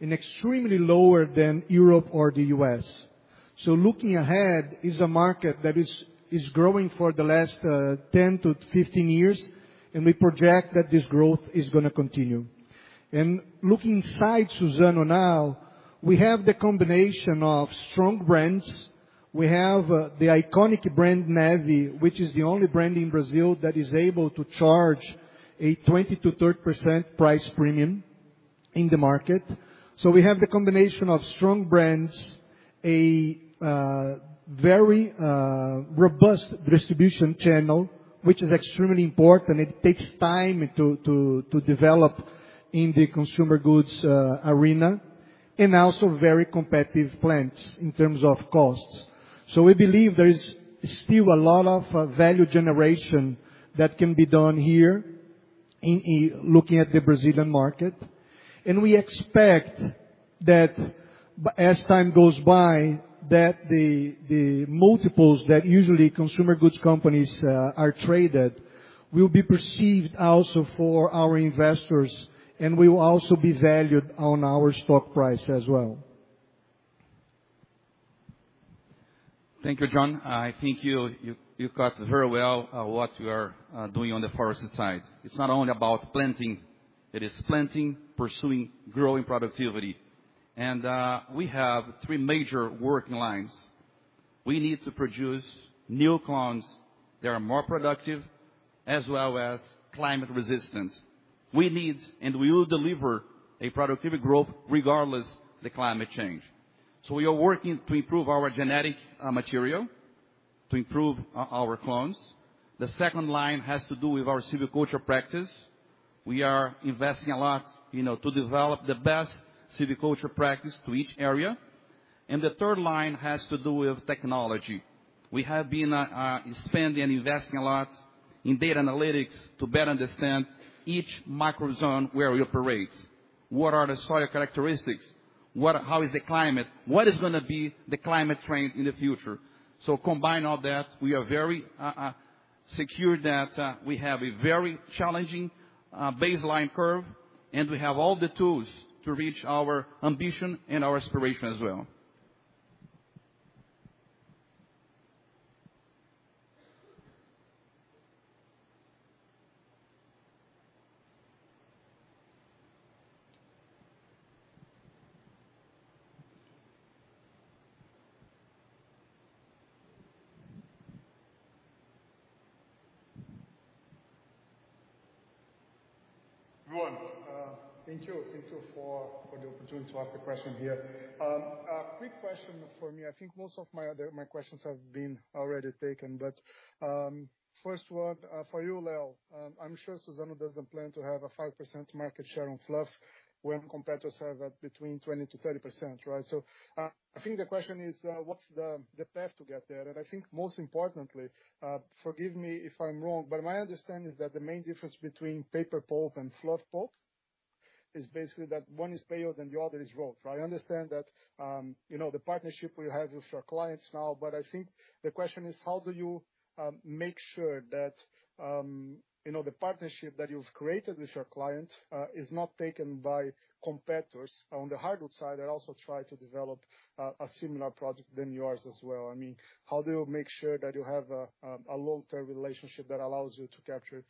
and extremely lower than Europe or the U.S. So looking ahead, is a market that is growing for the last 10-15 years, and we project that this growth is gonna continue. And looking inside Suzano now, we have the combination of strong brands. We have the iconic brand, Neve, which is the only brand in Brazil that is able to charge a 20%-30% price premium in the market. So we have the combination of strong brands, a very robust distribution channel, which is extremely important. It takes time to develop in the consumer goods arena, and also very competitive plans in terms of costs. So we believe there is still a lot of value generation that can be done here in looking at the Brazilian market. We expect that as time goes by, the multiples that usually consumer goods companies are traded will be perceived also for our investors, and we will also be valued on our stock price as well. ...Thank you, John. I think you got very well what we are doing on the forestry side. It's not only about planting, it is planting, pursuing, growing productivity. And we have three major working lines. We need to produce new clones that are more productive, as well as climate resistance. We need, and we will deliver a productivity growth regardless the climate change. So we are working to improve our genetic material, to improve our clones. The second line has to do with our silviculture practice. We are investing a lot, you know, to develop the best silviculture practice to each area. And the third line has to do with technology. We have been spending and investing a lot in data analytics to better understand each micro zone where we operate. What are the soil characteristics? What—How is the climate? What is gonna be the climate trend in the future? So combine all that, we are very secure that we have a very challenging baseline curve, and we have all the tools to reach our ambition and our aspiration as well. Good one. Thank you, thank you for, for the opportunity to ask the question here. A quick question for me. I think most of my other, my questions have been already taken, but, first one, for you, Leo. I'm sure Suzano doesn't plan to have a 5% market share on fluff when competitors have at between 20%-30%, right? So, I think the question is, what's the path to get there? And I think most importantly, forgive me if I'm wrong, but my understanding is that the main difference between paper pulp and fluff pulp is basically that one is pale and the other is raw. I understand that, you know, the partnership we have with our clients now, but I think the question is: how do you, make sure that, you know, the partnership that you've created with your clients, is not taken by competitors on the hardwood side, and also try to develop a, a similar product than yours as well? I mean, how do you make sure that you have a, a long-term relationship that allows you to capture,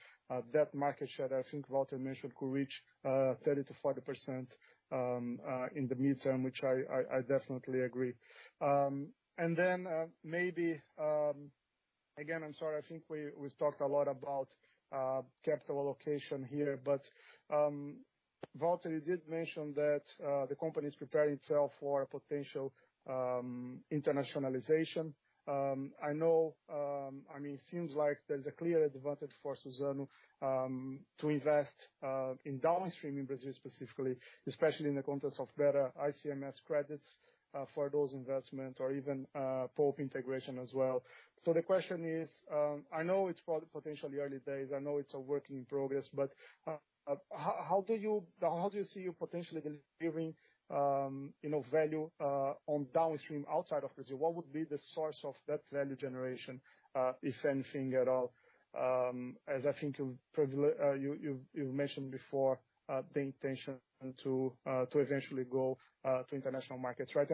that market share that I think Walter mentioned, could reach, 30%-40%, in the midterm, which I, I, I definitely agree. And then, maybe, again, I'm sorry, I think we, we've talked a lot about, capital allocation here, but, Walter, you did mention that, the company is preparing itself for a potential, internationalization. I know, I mean, it seems like there's a clear advantage for Suzano to invest in downstream in Brazil specifically, especially in the context of better ICMS credits for those investments or even pulp integration as well. So the question is, I know it's potentially early days, I know it's a work in progress, but how do you see you potentially delivering, you know, value on downstream outside of Brazil? What would be the source of that value generation, if anything at all? As I think you've mentioned before, the intention to eventually go to international markets, right?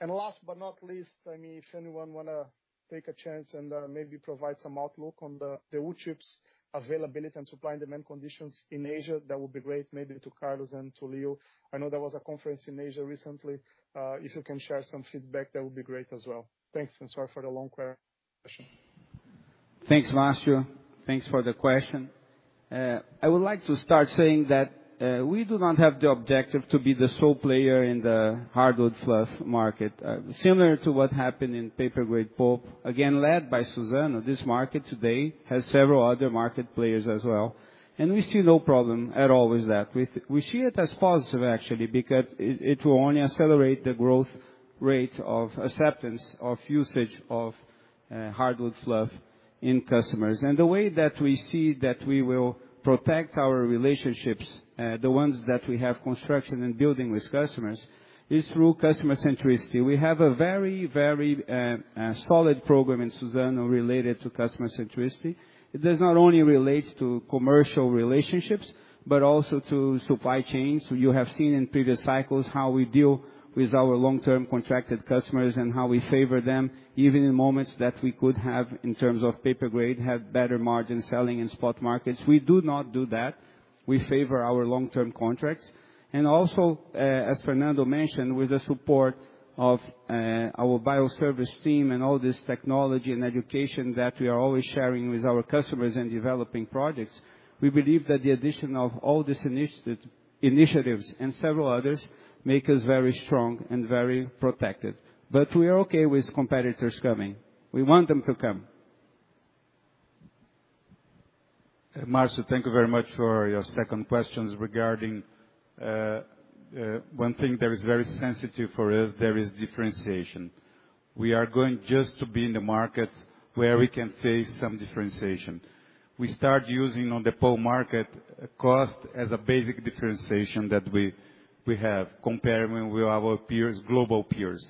And last but not least, I mean, if anyone wanna take a chance and maybe provide some outlook on the wood chips availability and supply and demand conditions in Asia, that would be great, maybe to Carlos and to Leo. I know there was a conference in Asia recently. If you can share some feedback, that would be great as well. Thanks, and sorry for the long question. Thanks, Marcio. Thanks for the question. I would like to start saying that, we do not have the objective to be the sole player in the hardwood fluff market. Similar to what happened in paper grade pulp, again, led by Suzano, this market today has several other market players as well, and we see no problem at all with that. We see it as positive, actually, because it will only accelerate the growth rate of acceptance, of usage of, hardwood fluff in customers. And the way that we see that we will protect our relationships, the ones that we have constructed and building with customers, is through customer centricity. We have a very, very, solid program in Suzano related to customer centricity. It does not only relate to commercial relationships, but also to supply chains. You have seen in previous cycles how we deal with our long-term contracted customers and how we favor them, even in moments that we could have, in terms of paper grade, have better margin selling in spot markets. We do not do that. We favor our long-term contracts. And also, as Fernando mentioned, with the support of our bioservice team and all this technology and education that we are always sharing with our customers and developing projects, we believe that the addition of all these initiatives and several others make us very strong and very protected. But we are okay with competitors coming. We want them to come. Marcio, thank you very much for your second questions regarding, one thing that is very sensitive for us, there is differentiation. We are going just to be in the markets where we can face some differentiation. We start using on the pulp market, cost as a basic differentiation that we, we have, comparing with our peers, global peers.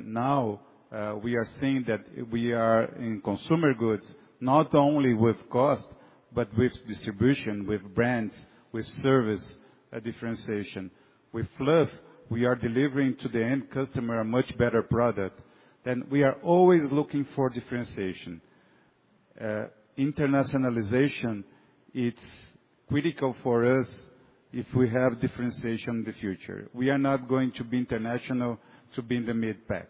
Now, we are seeing that we are in consumer goods, not only with cost-... but with distribution, with brands, with service, a differentiation. With fluff, we are delivering to the end customer a much better product. Then we are always looking for differentiation. Internationalization, it's critical for us if we have differentiation in the future. We are not going to be international to be in the mid pack.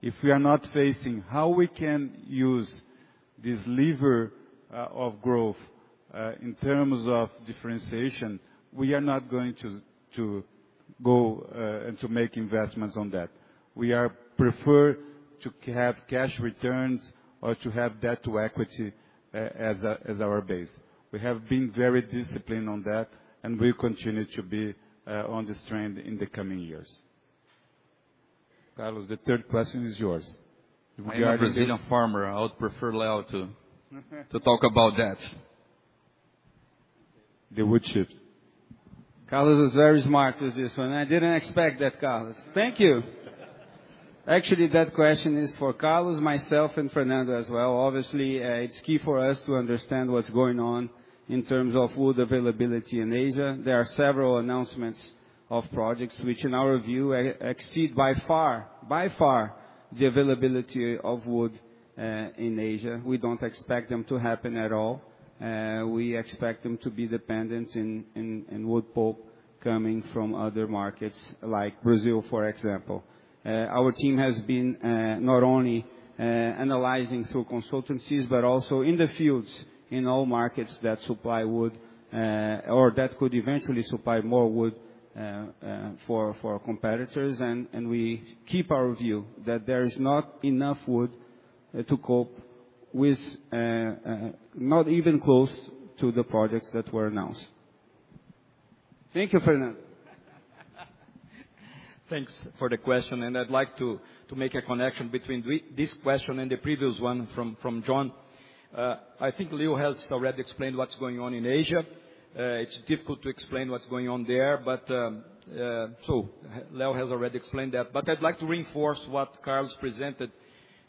If we are not facing how we can use this lever of growth in terms of differentiation, we are not going to go and to make investments on that. We are prefer to have cash returns or to have debt to equity as our base. We have been very disciplined on that, and we continue to be on this trend in the coming years. Carlos, the third question is yours. I'm a Brazilian farmer. I would prefer Leo to talk about that. The wood chips. Carlos is very smart with this one. I didn't expect that, Carlos. Thank you. Actually, that question is for Carlos, myself, and Fernando as well. Obviously, it's key for us to understand what's going on in terms of wood availability in Asia. There are several announcements of projects, which, in our view, exceed by far, by far, the availability of wood in Asia. We don't expect them to happen at all. We expect them to be dependent on wood pulp coming from other markets, like Brazil, for example. Our team has been not only analyzing through consultancies, but also in the fields in all markets that supply wood or that could eventually supply more wood for our competitors. We keep our view that there is not enough wood to cope with, not even close to the projects that were announced. Thank you, Fernando. Thanks for the question, and I'd like to make a connection between this question and the previous one from John. I think Leo has already explained what's going on in Asia. It's difficult to explain what's going on there, but so Leo has already explained that. But I'd like to reinforce what Carlos presented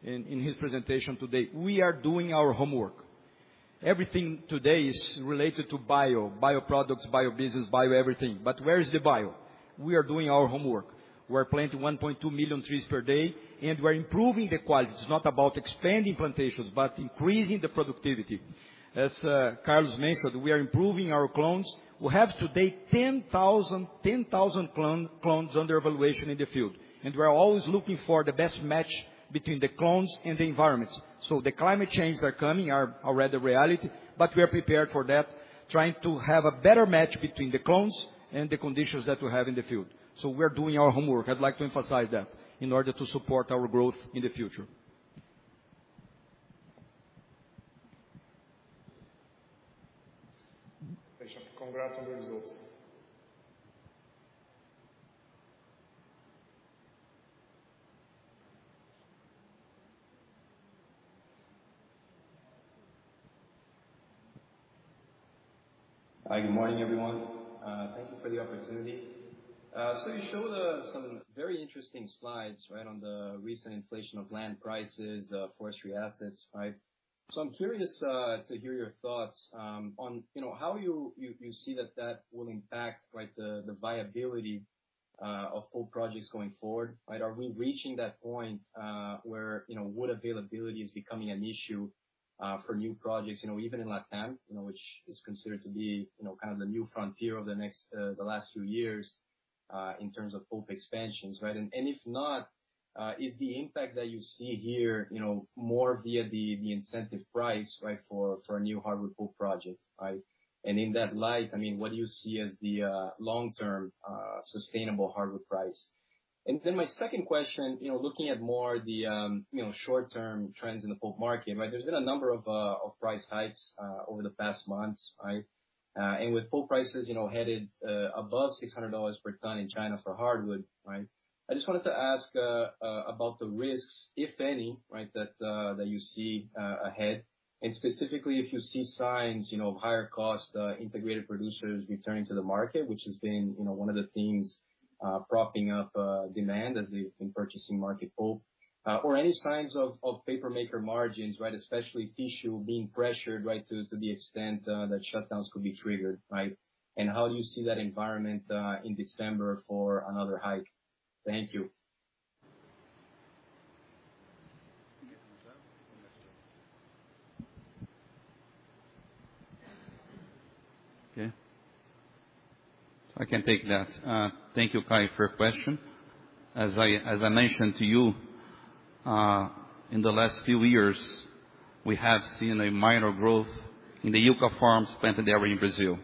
in his presentation today. We are doing our homework. Everything today is related to bio, bioproducts, bio business, bio everything. But where is the bio? We are doing our homework. We are planting 1.2 million trees per day, and we're improving the quality. It's not about expanding plantations, but increasing the productivity. As Carlos mentioned, we are improving our clones. We have today 10,000 clones under evaluation in the field, and we are always looking for the best match between the clones and the environments. So the climate changes are coming, are already a reality, but we are prepared for that, trying to have a better match between the clones and the conditions that we have in the field. So we are doing our homework. I'd like to emphasize that in order to support our growth in the future. Thanks, John. Congrats on the results. Hi, good morning, everyone. Thank you for the opportunity. So you showed some very interesting slides, right, on the recent inflation of land prices, forestry assets, right? So I'm curious to hear your thoughts on, you know, how you see that that will impact, like, the viability of pulp projects going forward, right? Are we reaching that point where, you know, wood availability is becoming an issue for new projects, you know, even in Latam, you know, which is considered to be, you know, kind of the new frontier over the next, the last few years in terms of pulp expansions, right? And if not, is the impact that you see here, you know, more via the incentive price, right, for a new hardwood pulp project, right? In that light, I mean, what do you see as the long-term sustainable hardwood price? And then my second question, you know, looking at more the short-term trends in the pulp market, right? There's been a number of price hikes over the past months, right? And with pulp prices, you know, headed above $600 per ton in China for hardwood, right? I just wanted to ask about the risks, if any, right, that you see ahead, and specifically, if you see signs, you know, of higher cost integrated producers returning to the market, which has been, you know, one of the things propping up demand as they've been purchasing market pulp, or any signs of paper maker margins, right? Especially tissue being pressured, right, to the extent that shutdowns could be triggered, right. And how do you see that environment in December for another hike? Thank you. Okay. I can take that. Thank you, Caio, for your question. As I mentioned to you, in the last few years, we have seen a minor growth in the eucalyptus farms planted there in Brazil.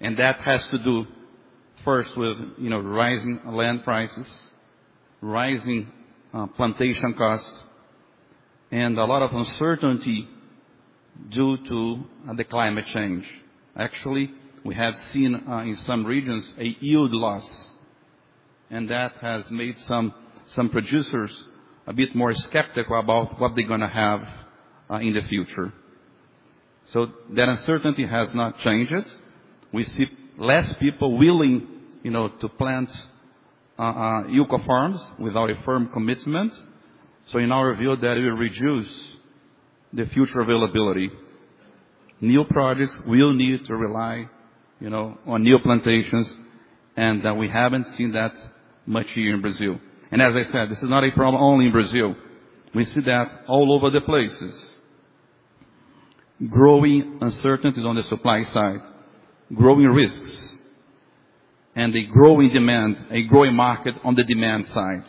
And that has to do first with, you know, rising land prices, rising plantation costs, and a lot of uncertainty due to the climate change. Actually, we have seen in some regions, a yield loss, and that has made some producers a bit more skeptical about what they're gonna have in the future. So that uncertainty has not changed. We see less people willing, you know, to plant-... eucalyptus farms without a firm commitment. So in our view, that will reduce the future availability. New projects will need to rely, you know, on new plantations, and that we haven't seen that much here in Brazil. And as I said, this is not a problem only in Brazil. We see that all over the places. Growing uncertainties on the supply side, growing risks and a growing demand, a growing market on the demand side.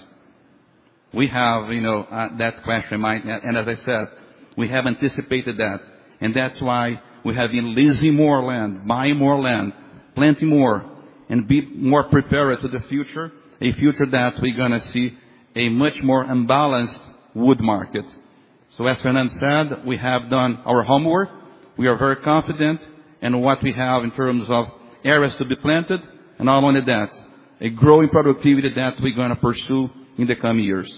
We have, you know, that clash in mind, and as I said, we have anticipated that, and that's why we have been leasing more land, buying more land, planting more, and be more prepared for the future, a future that we're gonna see a much more unbalanced wood market. So as Fernando said, we have done our homework. We are very confident in what we have in terms of areas to be planted, and not only that, a growing productivity that we're gonna pursue in the coming years.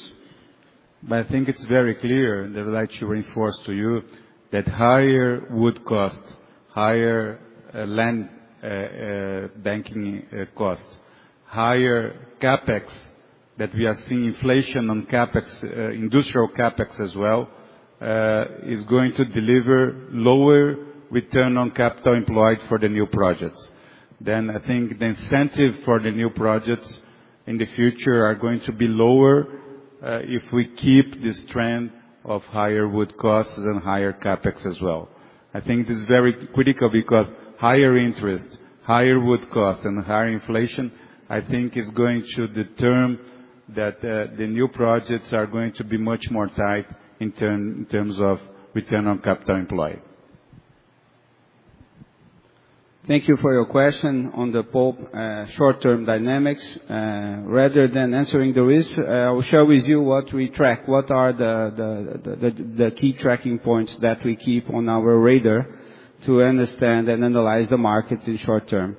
But I think it's very clear, and I'd like to reinforce to you, that higher wood costs, higher land banking costs, higher CapEx, that we are seeing inflation on CapEx, industrial CapEx as well, is going to deliver lower return on capital employed for the new projects. Then, I think the incentive for the new projects in the future are going to be lower, if we keep this trend of higher wood costs and higher CapEx as well. I think it is very critical because higher interest, higher wood costs, and higher inflation, I think is going to determine that, the new projects are going to be much more tight in term, in terms of return on capital employed. Thank you for your question on the pulp, short-term dynamics. Rather than answering the risk, I will share with you what we track, what are the key tracking points that we keep on our radar to understand and analyze the markets in short term.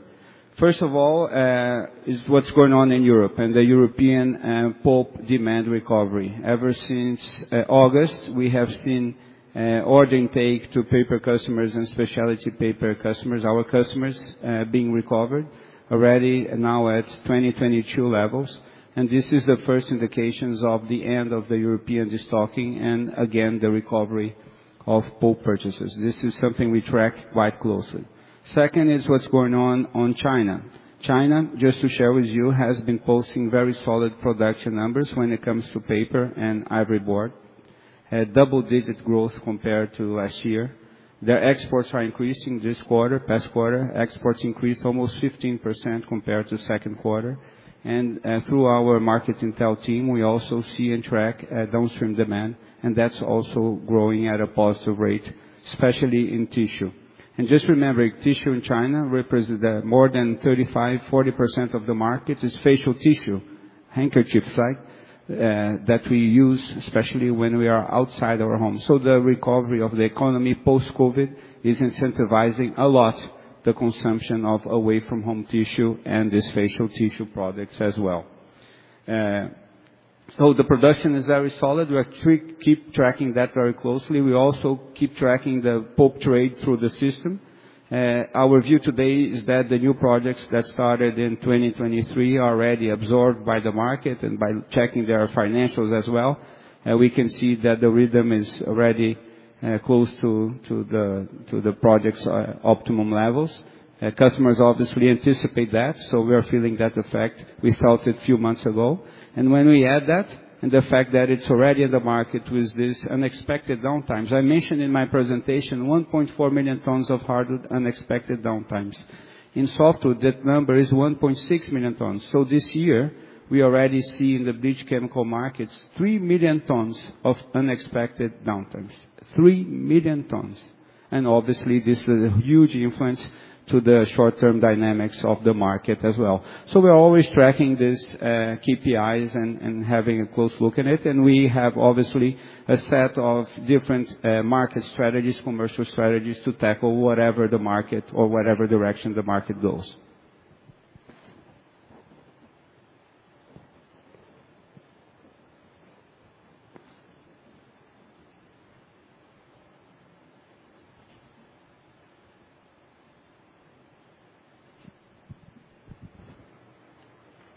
First of all, is what's going on in Europe and the European pulp demand recovery. Ever since August, we have seen order intake to paper customers and specialty paper customers, our customers, being recovered already now at 2022 levels. And this is the first indications of the end of the European destocking and again, the recovery of pulp purchases. This is something we track quite closely. Second is what's going on on China. China, just to share with you, has been posting very solid production numbers when it comes to paper and ivory board. A double-digit growth compared to last year. Their exports are increasing this quarter, past quarter. Exports increased almost 15% compared to second quarter. And, through our market intel team, we also see and track, downstream demand, and that's also growing at a positive rate, especially in tissue. And just remember, tissue in China represents more than 35%-40% of the market. It's facial tissue, handkerchiefs, right, that we use, especially when we are outside our home. So the recovery of the economy, post-COVID, is incentivizing a lot the consumption of away-from-home tissue and these facial tissue products as well. So the production is very solid. We keep tracking that very closely. We also keep tracking the pulp trade through the system. Our view today is that the new projects that started in 2023 are already absorbed by the market, and by checking their financials as well, we can see that the rhythm is already close to the project's optimum levels. Customers obviously anticipate that, so we are feeling that effect. We felt it a few months ago. And when we add that, and the fact that it's already in the market with these unexpected downtimes, I mentioned in my presentation, 1.4 million tons of hardwood unexpected downtimes. In softwood, that number is 1.6 million tons. So this year, we already see in the bleached chemical markets, 3 million tons of unexpected downtimes. 3 million tons. And obviously, this is a huge influence to the short-term dynamics of the market as well. So we are always tracking these KPIs and having a close look at it. We have, obviously, a set of different market strategies, commercial strategies to tackle whatever the market or whatever direction the market goes.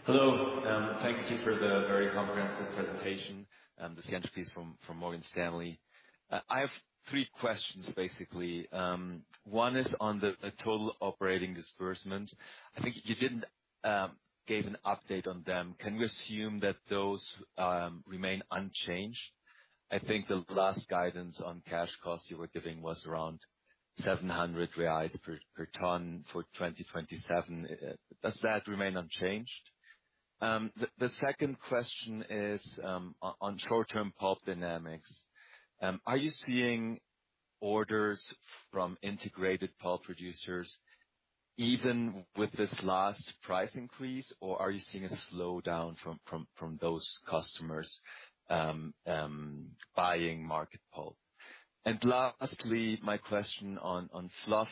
Hello, thank you for the very comprehensive presentation. This is Jens Spiess from Morgan Stanley. I have three questions, basically. One is on the total operating disbursement. I think you didn't gave an update on them. Can we assume that those remain unchanged? I think the last guidance on cash costs you were giving was around 700 reais per ton for 2027. Does that remain unchanged? The second question is on short-term pulp dynamics. Are you seeing orders from integrated pulp producers even with this last price increase, or are you seeing a slowdown from those customers buying market pulp? And lastly, my question on fluff.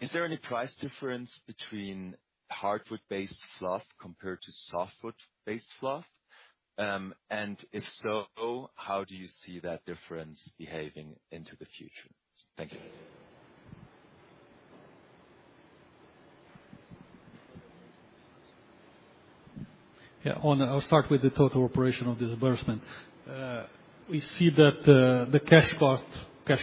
Is there any price difference between hardwood-based fluff compared to softwood-based fluff? If so, how do you see that difference behaving into the future? Thank you.... Yeah, on, I'll start with the total operational disbursement. We see that the cash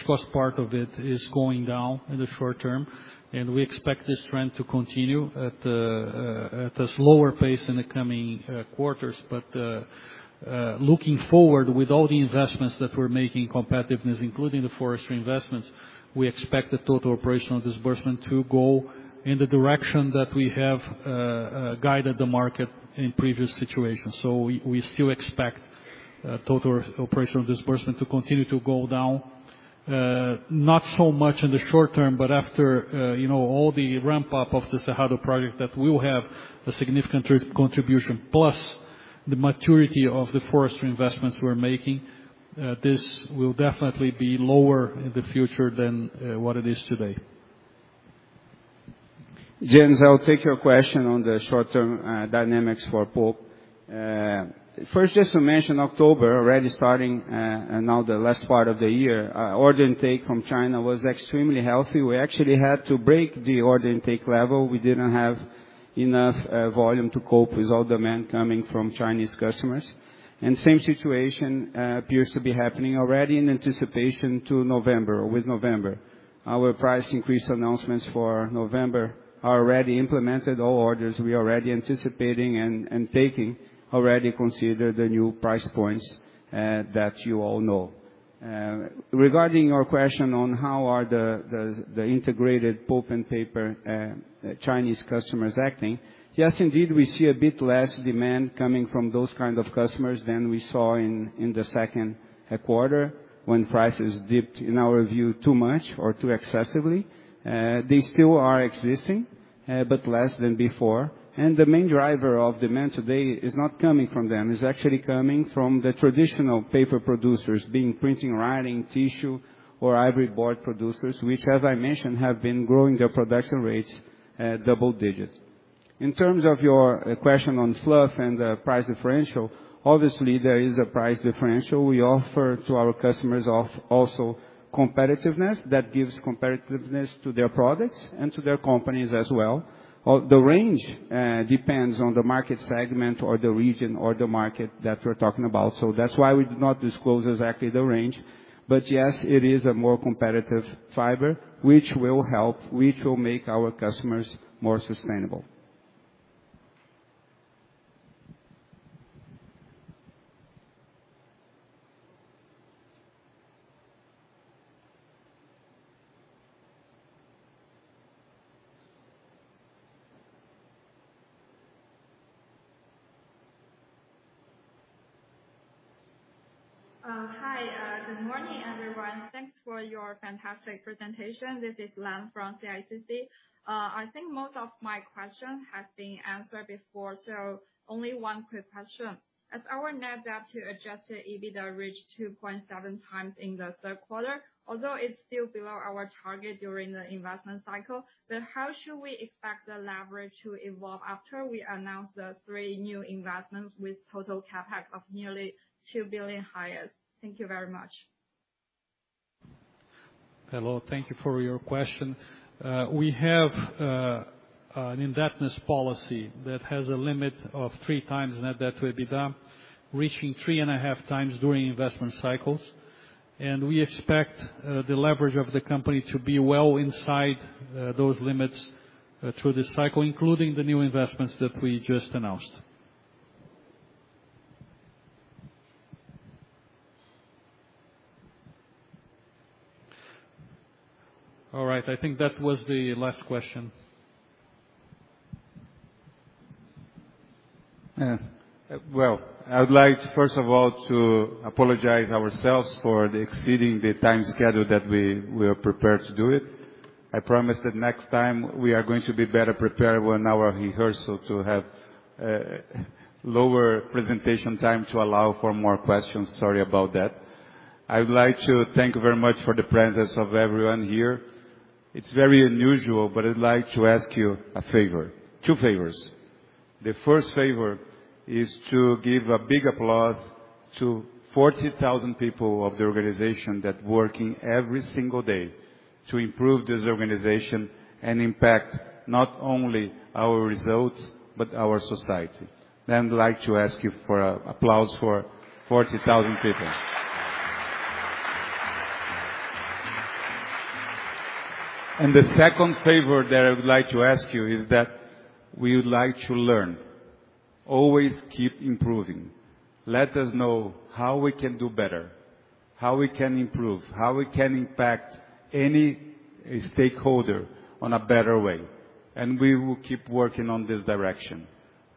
cost part of it is going down in the short term, and we expect this trend to continue at a slower pace in the coming quarters. But looking forward, with all the investments that we're making in competitiveness, including the forestry investments, we expect the total operational disbursement to go in the direction that we have guided the market in previous situations. So we still expect total operational disbursement to continue to go down. Not so much in the short term, but after, you know, all the ramp-up of the Tejado project, that will have a significant contribution, plus the maturity of the forestry investments we're making, this will definitely be lower in the future than what it is today. Jens, I'll take your question on the short-term dynamics for pulp. First, just to mention, October already starting, and now the last part of the year, our order intake from China was extremely healthy. We actually had to break the order intake level. We didn't have enough volume to cope with all demand coming from Chinese customers. And same situation appears to be happening already in anticipation to November, with November. Our price increase announcements for November are already implemented. All orders we are already anticipating and, and taking, already consider the new price points that you all know. Regarding your question on how the integrated pulp and paper Chinese customers are acting, yes, indeed, we see a bit less demand coming from those kind of customers than we saw in the second quarter, when prices dipped, in our view, too much or too excessively. They still are existing, but less than before. The main driver of demand today is not coming from them, it's actually coming from the traditional paper producers, being printing, writing, tissue, or ivory board producers, which, as I mentioned, have been growing their production rates at double digits. In terms of your question on fluff and the price differential, obviously, there is a price differential. We offer to our customers also competitiveness that gives competitiveness to their products and to their companies as well. The range depends on the market segment or the region or the market that we're talking about, so that's why we do not disclose exactly the range. But yes, it is a more competitive fiber, which will make our customers more sustainable. Hi, good morning, everyone. Thanks for your fantastic presentation. This is Lan from CICC. I think most of my question has been answered before, so only one quick question. As our net debt to adjusted EBITDA reached 2.7x in the third quarter, although it's still below our target during the investment cycle, but how should we expect the leverage to evolve after we announce the 3 new investments with total CapEx of nearly $2 billion higher? Thank you very much. Hello, thank you for your question. We have an indebtedness policy that has a limit of 3x net debt to EBITDA, reaching 3.5x during investment cycles. And we expect the leverage of the company to be well inside those limits through this cycle, including the new investments that we just announced. All right, I think that was the last question. Well, I would like, first of all, to apologize ourselves for exceeding the time schedule that we are prepared to do it. I promise that next time we are going to be better prepared on our rehearsal to have lower presentation time to allow for more questions. Sorry about that. I would like to thank you very much for the presence of everyone here. It's very unusual, but I'd like to ask you a favor—two favors. The first favor is to give a big applause to 40,000 people of the organization that working every single day to improve this organization and impact not only our results, but our society. Then I'd like to ask you for a applause for 40,000 people. And the second favor that I would like to ask you is that we would like to learn. Always keep improving. Let us know how we can do better, how we can improve, how we can impact any stakeholder on a better way, and we will keep working on this direction.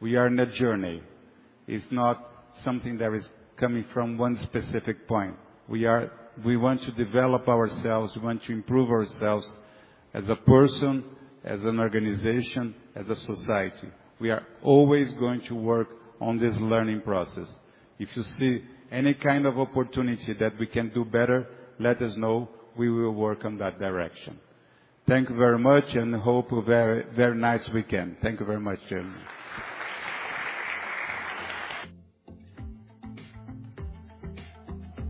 We are on a journey. It's not something that is coming from one specific point. We are, we want to develop ourselves, we want to improve ourselves as a person, as an organization, as a society. We are always going to work on this learning process. If you see any kind of opportunity that we can do better, let us know. We will work on that direction. Thank you very much, and hope you very, very nice weekend. Thank you very much, gentlemen.